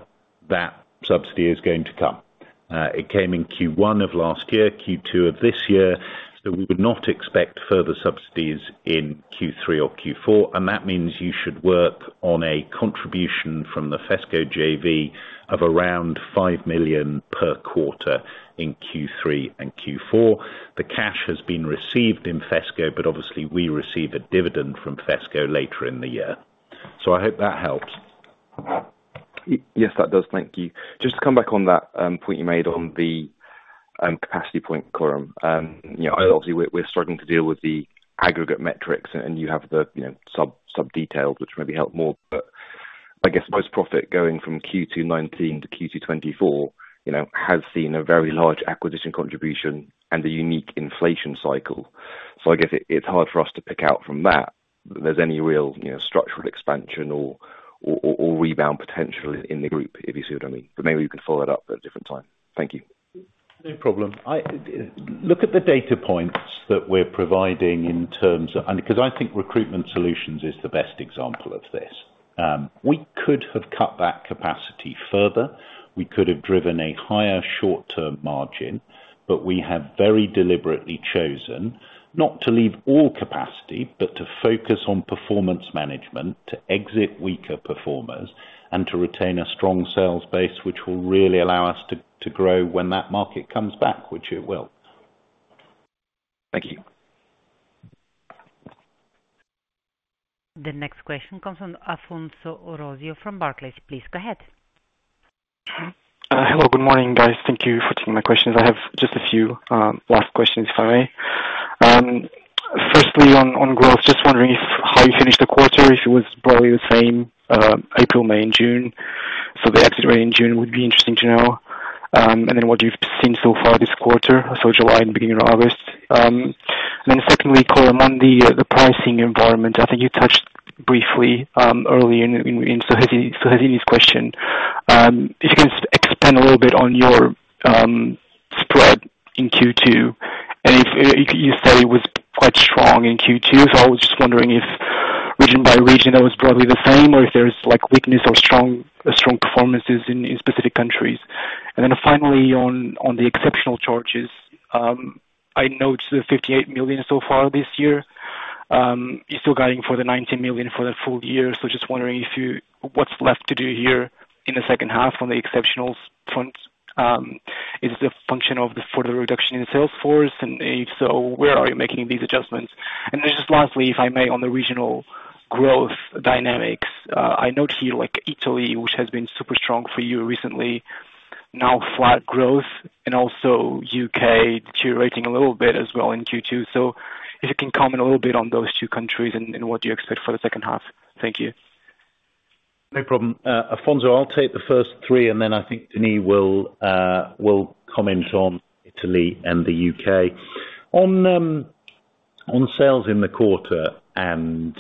that subsidy is going to come. It came in Q1 of last year, Q2 of this year, so we would not expect further subsidies in Q3 or Q4, and that means you should work on a contribution from the FESCO JV of around 5 million per quarter in Q3 and Q4. The cash has been received in FESCO, but obviously, we receive a dividend from FESCO later in the year. So I hope that helps. Yes, that does. Thank you. Just to come back on that point you made on the capacity point, Coram. You know, obviously, we're struggling to deal with the aggregate metrics, and you have the, you know, sub-details, which maybe help more, but I guess most profit going from Q2 2019 to Q2 2024, you know, has seen a very large acquisition contribution and a unique inflation cycle. So I guess it's hard for us to pick out from that that there's any real, you know, structural expansion or rebound potential in the group, if you see what I mean. But maybe you can follow that up at a different time. Thank you. No problem. I look at the data points that we're providing in terms of. Because I think Recruitment Solutions is the best example of this. We could have cut back capacity further. We could have driven a higher short-term margin, but we have very deliberately chosen not to leave all capacity, but to focus on performance management, to exit weaker performers, and to retain a strong sales base, which will really allow us to grow when that market comes back, which it will. Thank you. The next question comes from Afonso Osorio from Barclays. Please go ahead. Hello, good morning, guys. Thank you for taking my questions. I have just a few last questions, if I may. Firstly, on growth, just wondering if how you finished the quarter, if it was probably the same, April, May, and June. So the exit rate in June would be interesting to know. And then what you've seen so far this quarter, so July and beginning of August. And then secondly, Coram, on the pricing environment, I think you touched briefly earlier in Suhasini's question. If you can expand a little bit on your spread in Q2, and if you say it was quite strong in Q2, so I was just wondering if region by region, that was broadly the same, or if there's like weakness or strong performances in specific countries. And then finally, on the exceptional charges, I note the 58 million so far this year. You're still guiding for the 19 million for the full year, so just wondering if you—what's left to do here in the second half on the exceptionals front? Is it a function of the further reduction in sales force, and if so, where are you making these adjustments? And then just lastly, if I may, on the regional growth dynamics, I note here, like Italy, which has been super strong for you recently, now flat growth, and also U.K. contracting a little bit as well in Q2. So if you can comment a little bit on those two countries and what you expect for the second half. Thank you. No problem. Afonso, I'll take the first three, and then I think Denis will will comment on Italy and the U.K. On, on sales in the quarter and,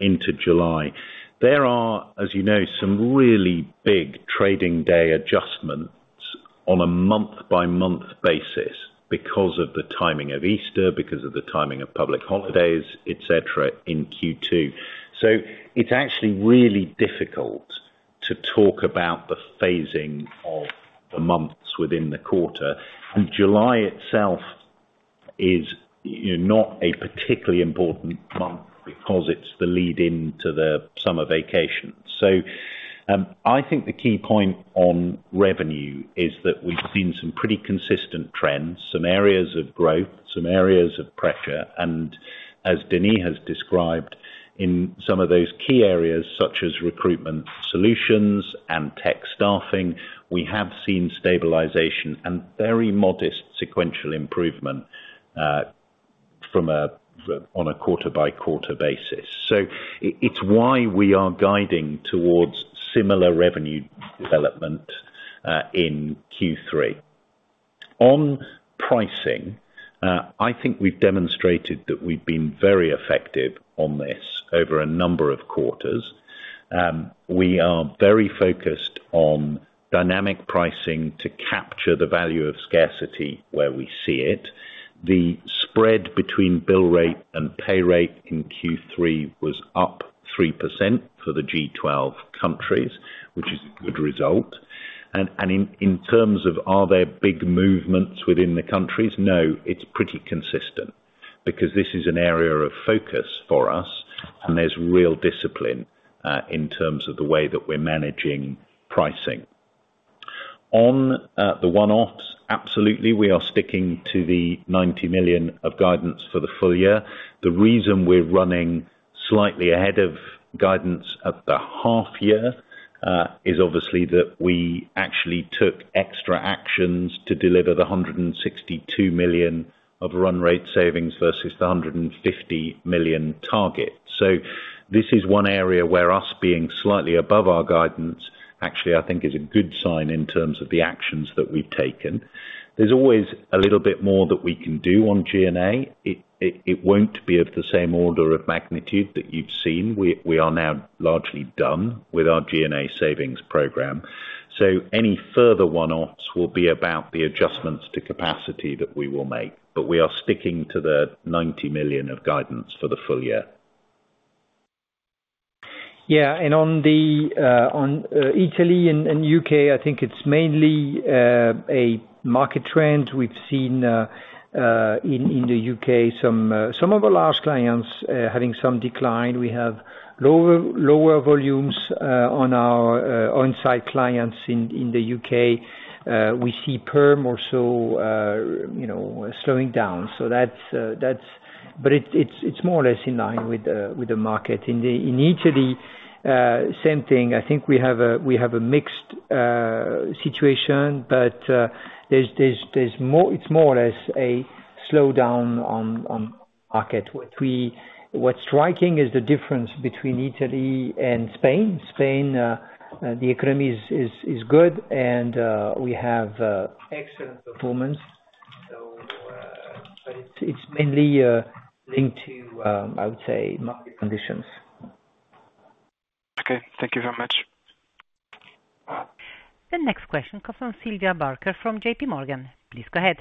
into July, there are, as you know, some really big trading day adjustments on a month-by-month basis because of the timing of Easter, because of the timing of public holidays, et cetera, in Q2. So it's actually really difficult to talk about the phasing of the months within the quarter. July itself is, you know, not a particularly important month because it's the lead-in to the summer vacation. So, I think the key point on revenue is that we've seen some pretty consistent trends, some areas of growth, some areas of pressure, and as Denis has described, in some of those key areas, such as Recruitment Solutions and Tech Staffing, we have seen stabilization and very modest sequential improvement on a quarter-by-quarter basis. So it's why we are guiding towards similar revenue development in Q3. On pricing, I think we've demonstrated that we've been very effective on this over a number of quarters. We are very focused on dynamic pricing to capture the value of scarcity where we see it. The spread between bill rate and pay rate in Q3 was up 3% for the G12 countries, which is a good result. And in terms of, are there big movements within the countries? No, it's pretty consistent, because this is an area of focus for us, and there's real discipline in terms of the way that we're managing pricing. On the one-offs, absolutely, we are sticking to the 90 million of guidance for the full year. The reason we're running slightly ahead of guidance at the half year is obviously that we actually took extra actions to deliver the 162 million of run rate savings versus the 150 million target. So this is one area where us being slightly above our guidance, actually, I think is a good sign in terms of the actions that we've taken. There's always a little bit more that we can do on G&A. It won't be of the same order of magnitude that you've seen. We are now largely done with our G&A savings program. So any further one-offs will be about the adjustments to capacity that we will make, but we are sticking to the 90 million of guidance for the full year. Yeah, and on the Italy and U.K., I think it's mainly a market trend. We've seen in the U.K., some of our large clients having some decline. We have lower volumes on our on-site clients in the U.K. We see perm also, you know, slowing down. So that's. But it's more or less in line with the market. In Italy, same thing. I think we have a mixed situation, but there's more, it's more or less a slowdown on market. What's striking is the difference between Italy and Spain. Spain, the economy is good, and we have excellent performance. But it's mainly linked to, I would say, market conditions. Okay, thank you very much. The next question comes from Sylvia Barker from JPMorgan. Please go ahead.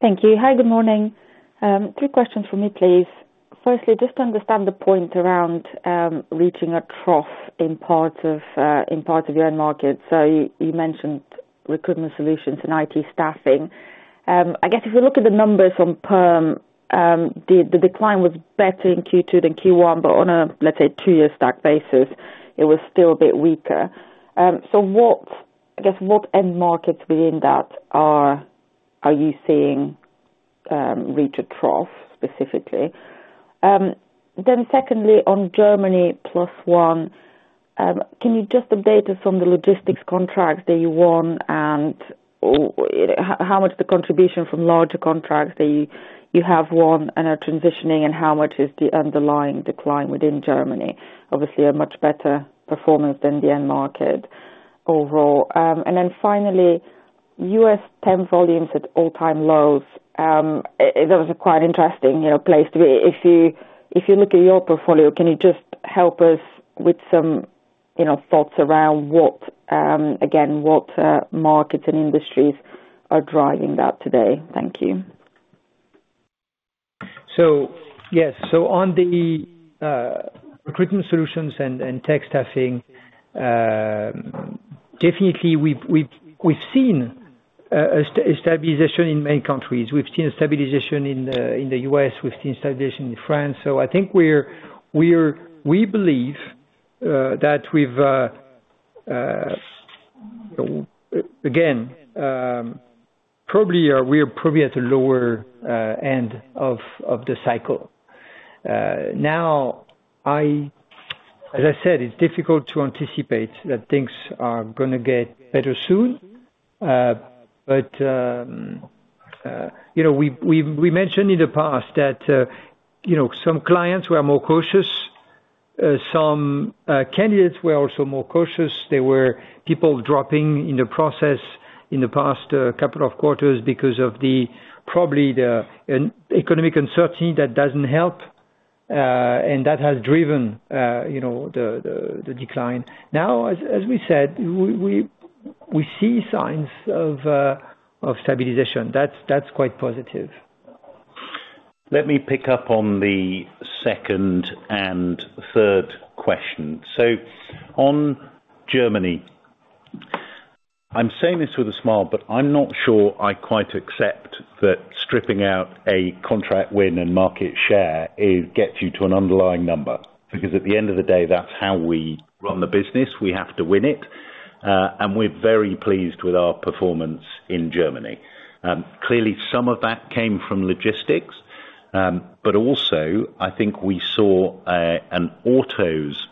Thank you. Hi, good morning. Two questions for me, please. Firstly, just to understand the point around reaching a trough in part of the end market. So you mentioned Recruitment Solutions and IT staffing. I guess if you look at the numbers from Perm, the decline was better in Q2 than Q1, but on a, let's say, two-year stack basis, it was still a bit weaker. So what, I guess, what end markets within that are you seeing reach a trough specifically? Then secondly, on Germany plus one, can you just update us on the logistics contracts that you won, and how much the contribution from larger contracts that you have won and are transitioning, and how much is the underlying decline within Germany? Obviously, a much better performance than the end market overall. And then finally, U.S. temp volumes at all-time lows. That was a quite interesting, you know, place to be. If you look at your portfolio, can you just help us with some, you know, thoughts around what, again, what markets and industries are driving that today? Thank you. So yes. So on the Recruitment Solutions and Tech Staffing, definitely we've seen a stabilization in many countries. We've seen a stabilization in the U.S., we've seen stabilization in France, so I think we're. We believe that we've again probably we are probably at the lower end of the cycle. Now, as I said, it's difficult to anticipate that things are gonna get better soon. But you know, we've mentioned in the past that you know, some clients were more cautious, some candidates were also more cautious. There were people dropping in the process in the past couple of quarters because of probably an economic uncertainty that doesn't help, and that has driven, you know, the decline. Now, as we said, we see signs of stabilization. That's quite positive. Let me pick up on the second and third question. So on Germany, I'm saying this with a smile, but I'm not sure I quite accept that stripping out a contract win and market share, it gets you to an underlying number, because at the end of the day, that's how we run the business. We have to win it, and we're very pleased with our performance in Germany. Clearly, some of that came from logistics, but also I think we saw, an autos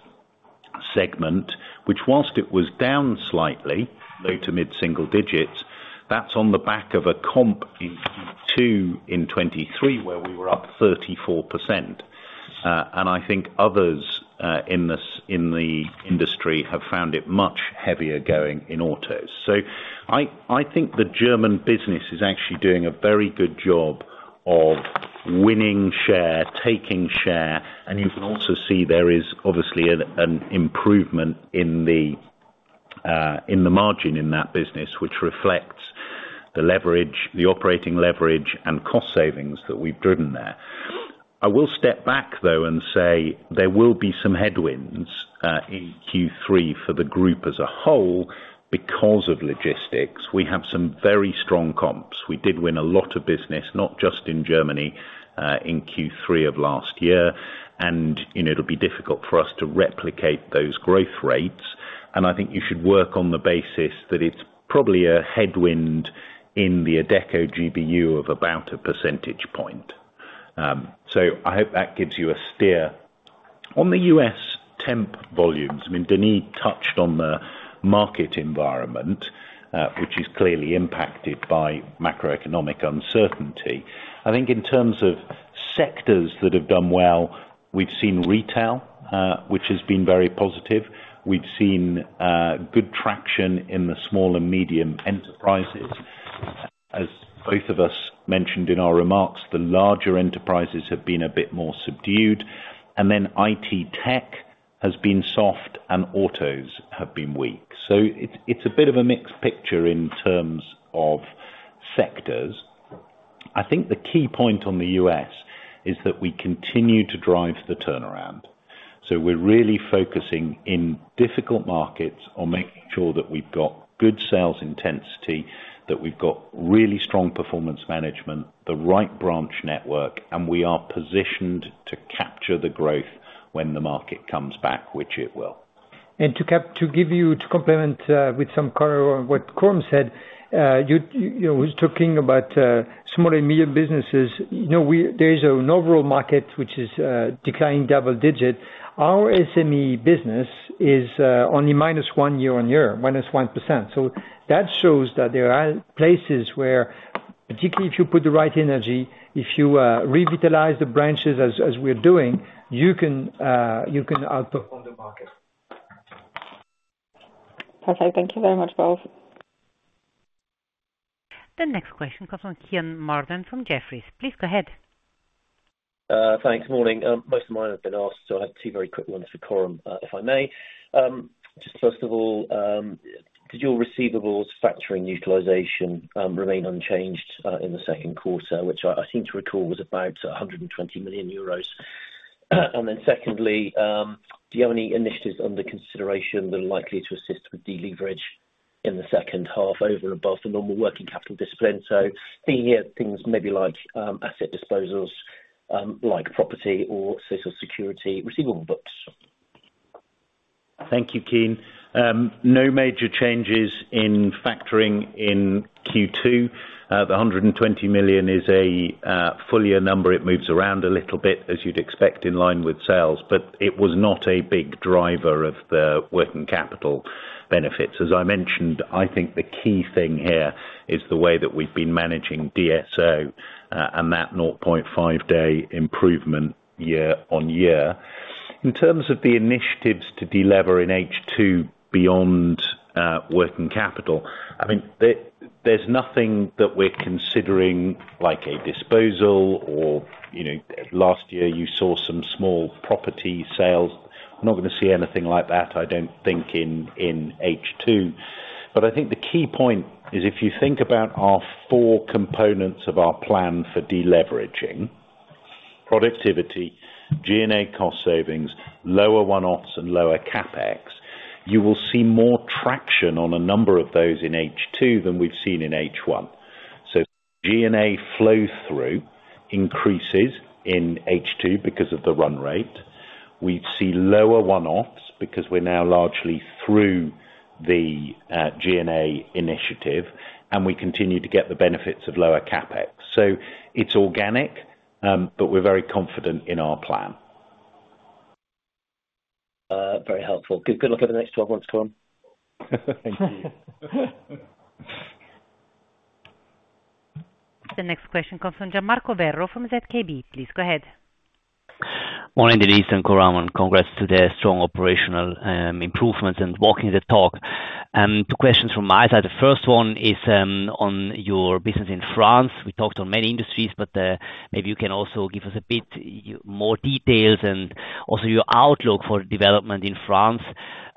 segment, which whilst it was down slightly, low to mid single digits, that's on the back of a comp in Q2 in 2023, where we were up 34%. And I think others, in this, in the industry have found it much heavier going in autos. So I think the German business is actually doing a very good job of winning share, taking share, and you can also see there is obviously an improvement in the margin in that business, which reflects the leverage, the operating leverage and cost savings that we've driven there. I will step back, though, and say there will be some headwinds in Q3 for the group as a whole, because of logistics. We have some very strong comps. We did win a lot of business, not just in Germany, in Q3 of last year, and, you know, it'll be difficult for us to replicate those growth rates. And I think you should work on the basis that it's probably a headwind in the Adecco GBU of about 1 percentage point. So I hope that gives you a steer. On the U.S. temp volumes, I mean, Denis touched on the market environment, which is clearly impacted by macroeconomic uncertainty. I think in terms of sectors that have done well, we've seen retail, which has been very positive. We've seen good traction in the small and medium enterprises. As both of us mentioned in our remarks, the larger enterprises have been a bit more subdued, and then IT tech has been soft and autos have been weak. So it's, it's a bit of a mixed picture in terms of sectors. I think the key point on the U.S. is that we continue to drive the turnaround. So we're really focusing in difficult markets on making sure that we've got good sales intensity, that we've got really strong performance management, the right branch network, and we are positioned to capture the growth when the market comes back, which it will. To cap, to give you, to complement with some color on what Coram said, you know, he's talking about small and medium businesses. You know, there is an overall market which is declining double-digit. Our SME business is only -1% year-on-year. So that shows that there are places where, particularly if you put the right energy, if you revitalize the branches as we're doing, you can outperform the market. Perfect. Thank you very much, both. The next question comes from Kean Marden from Jefferies. Please go ahead. Thanks, morning. Most of mine have been asked, so I have two very quick ones for Coram, if I may. Just first of all, did your receivables factoring utilization remain unchanged in the second quarter, which I seem to recall was about 120 million euros? And then secondly, do you have any initiatives under consideration that are likely to assist with deleverage in the second half over and above the normal working capital discipline? So thinking here things maybe like asset disposals, like property or Social Security receivable books. Thank you, Kean. No major changes in factoring in Q2. The 120 million is a full year number. It moves around a little bit, as you'd expect, in line with sales, but it was not a big driver of the working capital benefits. As I mentioned, I think the key thing here is the way that we've been managing DSO, and that 0.5 day improvement year-on-year. In terms of the initiatives to delever in H2 beyond working capital, I think there's nothing that we're considering, like a disposal or, you know, last year you saw some small property sales. We're not gonna see anything like that, I don't think, in H2. But I think the key point is, if you think about our four components of our plan for deleveraging, productivity, G&A cost savings, lower one-offs, and lower CapEx, you will see more traction on a number of those in H2 than we've seen in H1. So G&A flow through increases in H2 because of the run rate. We'd see lower one-offs because we're now largely through the G&A initiative, and we continue to get the benefits of lower CapEx. So it's organic, but we're very confident in our plan. Very helpful. Good, good luck over the next 12 months, Coram. Thank you. The next question comes from Gian Marco Werro from ZKB. Please go ahead. Morning, Denis and Coram, and congrats to the strong operational improvements and walking the talk. Two questions from my side. The first one is on your business in France. We talked on many industries, but maybe you can also give us a bit more details and also your outlook for development in France.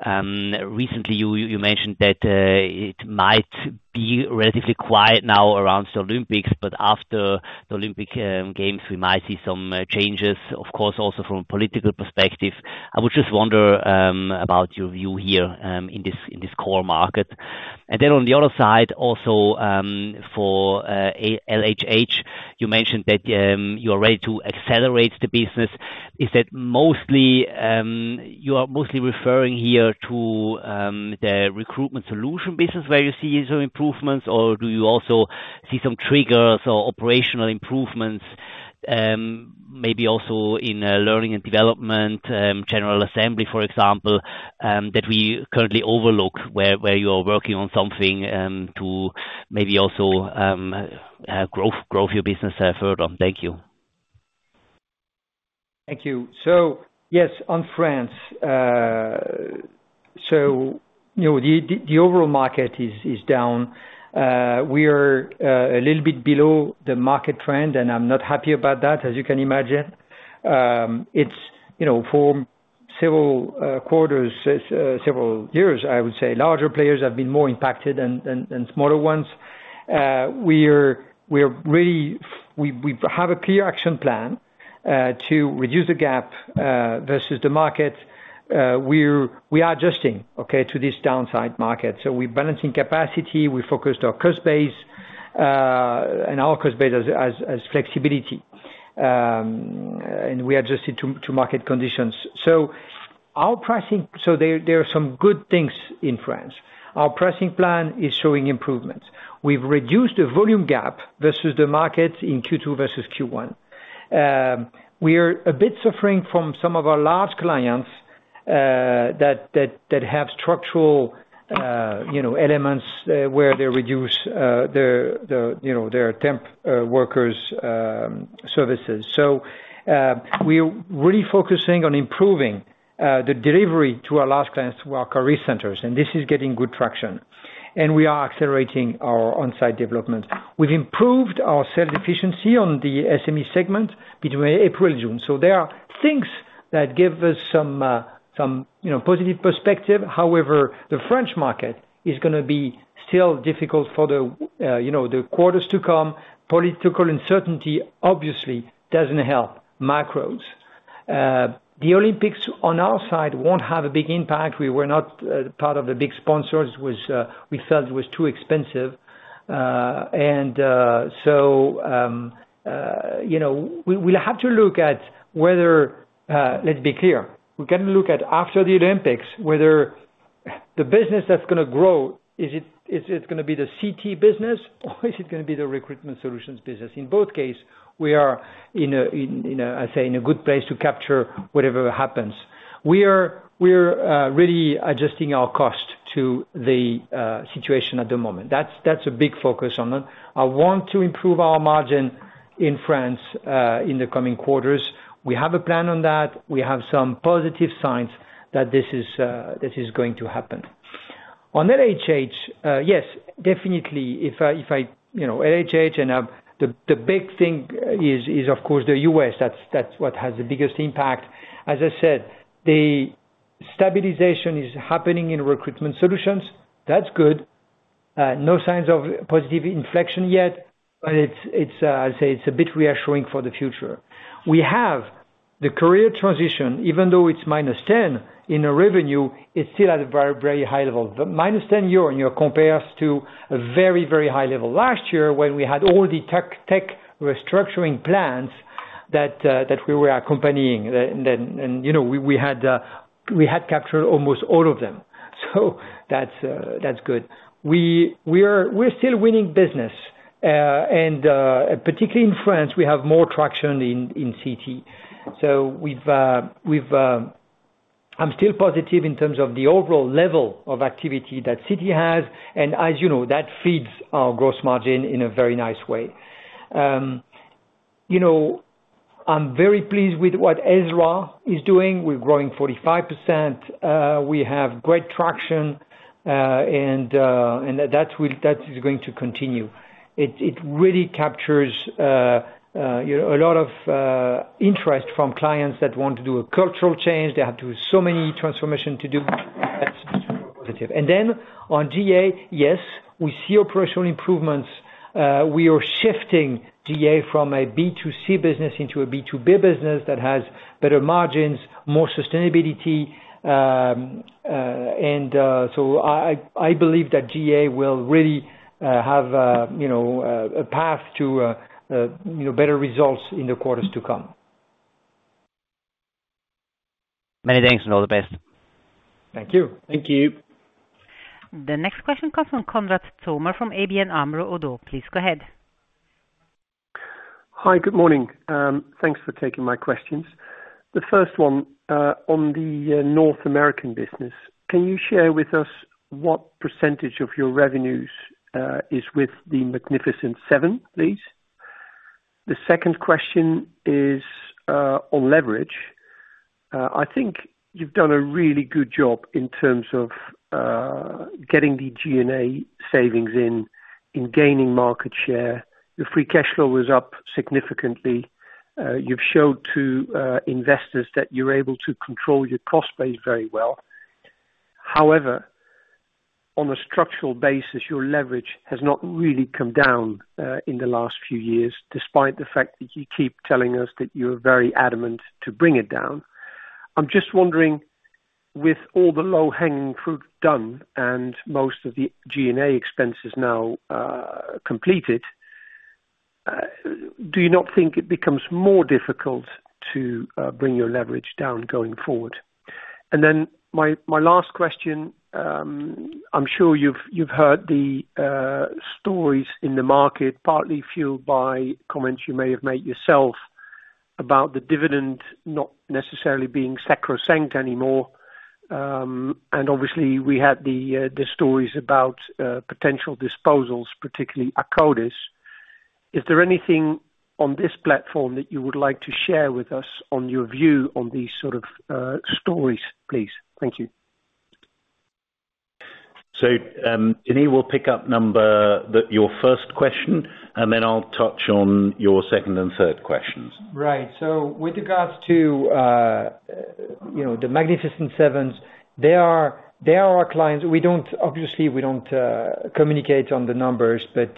Recently, you mentioned that it might be relatively quiet now around the Olympics, but after the Olympic games, we might see some changes, of course, also from a political perspective. I would just wonder about your view here in this core market. And then on the other side also for LHH, you mentioned that you are ready to accelerate the business. Is that mostly, you are mostly referring here to, the Recruitment Solution business, where you see some improvements, or do you also see some triggers or operational improvements, maybe also in Learning and Development, General Assembly, for example, that we currently overlook, where you are working on something, to maybe also grow your business further on? Thank you. Thank you. So yes, on France, so, you know, the overall market is down. We are a little bit below the market trend, and I'm not happy about that, as you can imagine. It's you know, for several quarters, several years, I would say, larger players have been more impacted than smaller ones. We're really we have a clear action plan to reduce the gap versus the market. We are adjusting, okay, to this downside market. So we're balancing capacity, we focused on cost base, and our cost base as flexibility. And we adjusted to market conditions. So our pricing so there are some good things in France. Our pricing plan is showing improvements. We've reduced the volume gap versus the market in Q2 versus Q1. We are a bit suffering from some of our large clients that have structural, you know, elements where they reduce their you know their temp workers services. So, we're really focusing on improving the delivery to our large clients, to our Career Centers, and this is getting good traction, and we are accelerating our On-site development. We've improved our sales efficiency on the SME segment between April and June. So there are things that give us some you know positive perspective. However, the French market is gonna be still difficult for the quarters to come. Political uncertainty obviously doesn't help macros. The Olympics on our side won't have a big impact. We were not part of the big sponsors, which we felt was too expensive. You know, we'll have to look at whether. Let's be clear, we're gonna look at after the Olympics whether the business that's gonna grow, is it gonna be the CT business or is it gonna be the Recruitment Solutions business? In both case, we are in a good place to capture whatever happens. We're really adjusting our cost to the situation at the moment. That's a big focus on them. I want to improve our margin in France in the coming quarters. We have a plan on that. We have some positive signs that this is going to happen. On LHH, yes, definitely, you know, LHH and the big thing is of course the U.S. that's what has the biggest impact. As I said, the stabilization is happening in Recruitment Solutions. That's good. No signs of positive inflection yet, but it's I'd say it's a bit reassuring for the future. We have the Career Transition, even though it's -10% in revenue, it's still at a very, very high level. The -10% year-over-year compares to a very, very high level. Last year, when we had all the tech restructuring plans that we were accompanying, then, and you know we had captured almost all of them. So that's good. We're still winning business, and particularly in France, we have more traction in CT. So we've. I'm still positive in terms of the overall level of activity that CT has, and as you know, that feeds our gross margin in a very nice way. You know, I'm very pleased with what Ezra is doing. We're growing 45%. We have great traction, and that is going to continue. It really captures, you know, a lot of interest from clients that want to do a cultural change. They have to do so many transformation to do. That's super positive. And then on GA, yes, we see operational improvements. We are shifting GA from a B2C business into a B2B business that has better margins, more sustainability. So I believe that GA will really have, you know, you know, better results in the quarters to come. Many thanks, and all the best. Thank you. Thank you. The next question comes from Konrad Zomer, from ABN AMRO-ODDO BHF. Please go ahead. Hi, good morning. Thanks for taking my questions. The first one, on the, North American business, can you share with us what percentage of your revenues, is with the Magnificent Seven, please? The second question is, on leverage. I think you've done a really good job in terms of, getting the G&A savings in, in gaining market share. Your free cash flow is up significantly. You've showed to, investors that you're able to control your cost base very well. However, on a structural basis, your leverage has not really come down, in the last few years, despite the fact that you keep telling us that you're very adamant to bring it down. I'm just wondering, with all the low-hanging fruit done and most of the G&A expenses now completed, do you not think it becomes more difficult to bring your leverage down going forward? And then my last question, I'm sure you've heard the stories in the market, partly fueled by comments you may have made yourself, about the dividend not necessarily being sacrosanct anymore, and obviously, we had the stories about potential disposals, particularly Akkodis. Is there anything on this platform that you would like to share with us on your view on these sort of stories, please? Thank you. So, Denis will pick up number, your first question, and then I'll touch on your second and third questions. Right. So with regards to, you know, The Magnificent Seven, they are, they are our clients. We don't-- obviously, we don't, communicate on the numbers, but,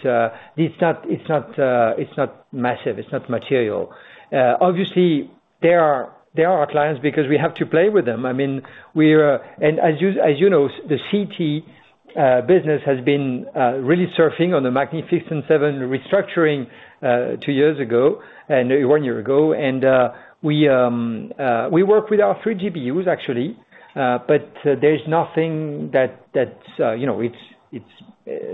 it's not, it's not, it's not massive, it's not material. Obviously, they are, they are our clients because we have to play with them. I mean, we are-- and as you, as you know, the CT business has been, really surfing on The Magnificent Seven restructuring, two years ago, and one year ago, and, we, we work with our three GBUs actually, but there's nothing that, that, you know, it's, it's,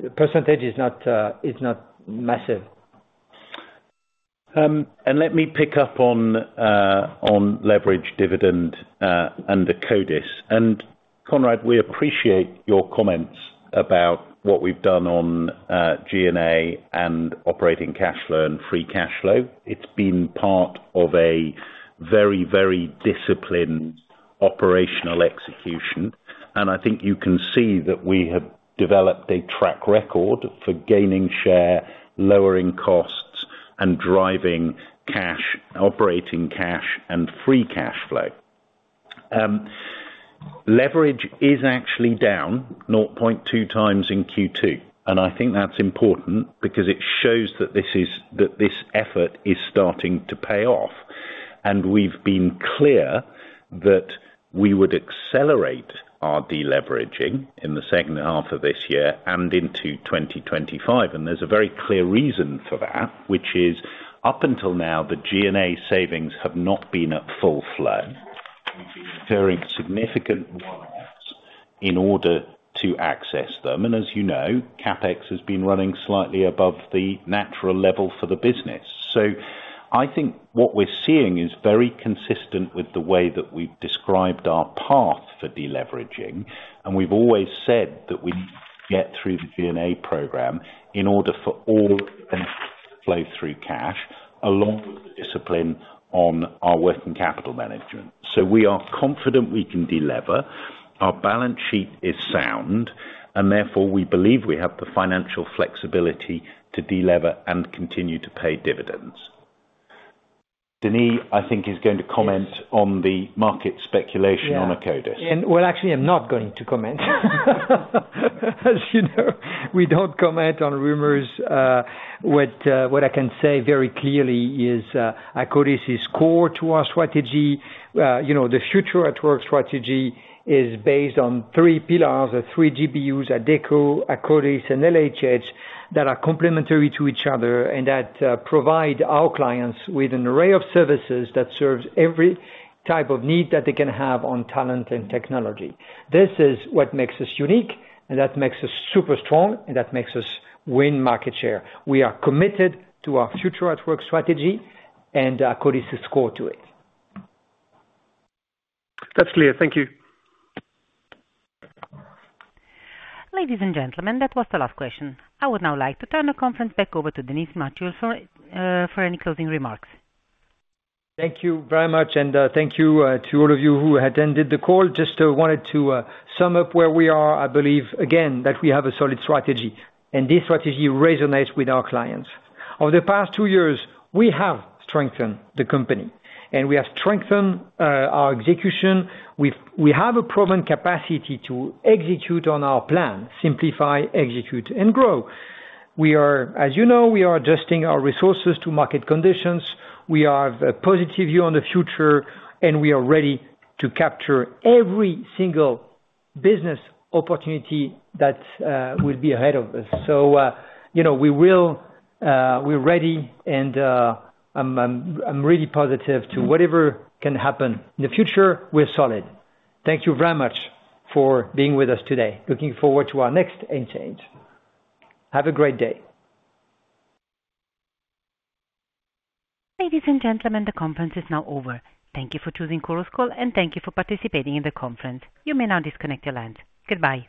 the percentage is not, is not massive. Let me pick up on leverage, dividend, and Akkodis. Konrad, we appreciate your comments about what we've done on G&A and operating cash flow and free cash flow. It's been part of a very, very disciplined operational execution, and I think you can see that we have developed a track record for gaining share, lowering costs, and driving cash, operating cash and free cash flow. Leverage is actually down 0.2 times in Q2, and I think that's important because it shows that this is, that this effort is starting to pay off. We've been clear that we would accelerate our deleveraging in the second half of this year and into 2025, and there's a very clear reason for that, which is, up until now, the G&A savings have not been at full flow. have had very significant one-offs in order to access them, and as you know, CapEx has been running slightly above the natural level for the business. I think what we're seeing is very consistent with the way that we've described our path for deleveraging, and we've always said that we get through the G&A program in order to have full free cash flow, along with the discipline on our working capital management. We are confident we can delever. Our balance sheet is sound, and therefore, we believe we have the financial flexibility to delever and continue to pay dividends. Denis, I think, is going to comment on the market speculation on Akkodis. Well, actually, I'm not going to comment. As you know, we don't comment on rumors. What I can say very clearly is, Akkodis is core to our strategy. You know, the Future at Work strategy is based on three pillars, or three GBUs, Adecco, Akkodis, and LHH, that are complementary to each other, and that provide our clients with an array of services that serves every type of need that they can have on talent and technology. This is what makes us unique, and that makes us super strong, and that makes us win market share. We are committed to our Future at Work strategy, and Akkodis is core to it. That's clear. Thank you. Ladies and gentlemen, that was the last question. I would now like to turn the conference back over to Denis Machuel for any closing remarks. Thank you very much, and thank you to all of you who attended the call. Just wanted to sum up where we are. I believe, again, that we have a solid strategy, and this strategy resonates with our clients. Over the past two years, we have strengthened the company, and we have strengthened our execution. We have a proven capacity to execute on our plan, Simplify, Execute, and Grow. We are, as you know, we are adjusting our resources to market conditions. We are of a positive view on the future, and we are ready to capture every single business opportunity that will be ahead of us. So, you know, we will, we're ready, and I'm really positive to whatever can happen. In the future, we're solid. Thank you very much for being with us today. Looking forward to our next earnings call. Have a great day. Ladies and gentlemen, the conference is now over. Thank you for choosing Chorus Call, and thank you for participating in the conference. You may now disconnect your lines. Goodbye.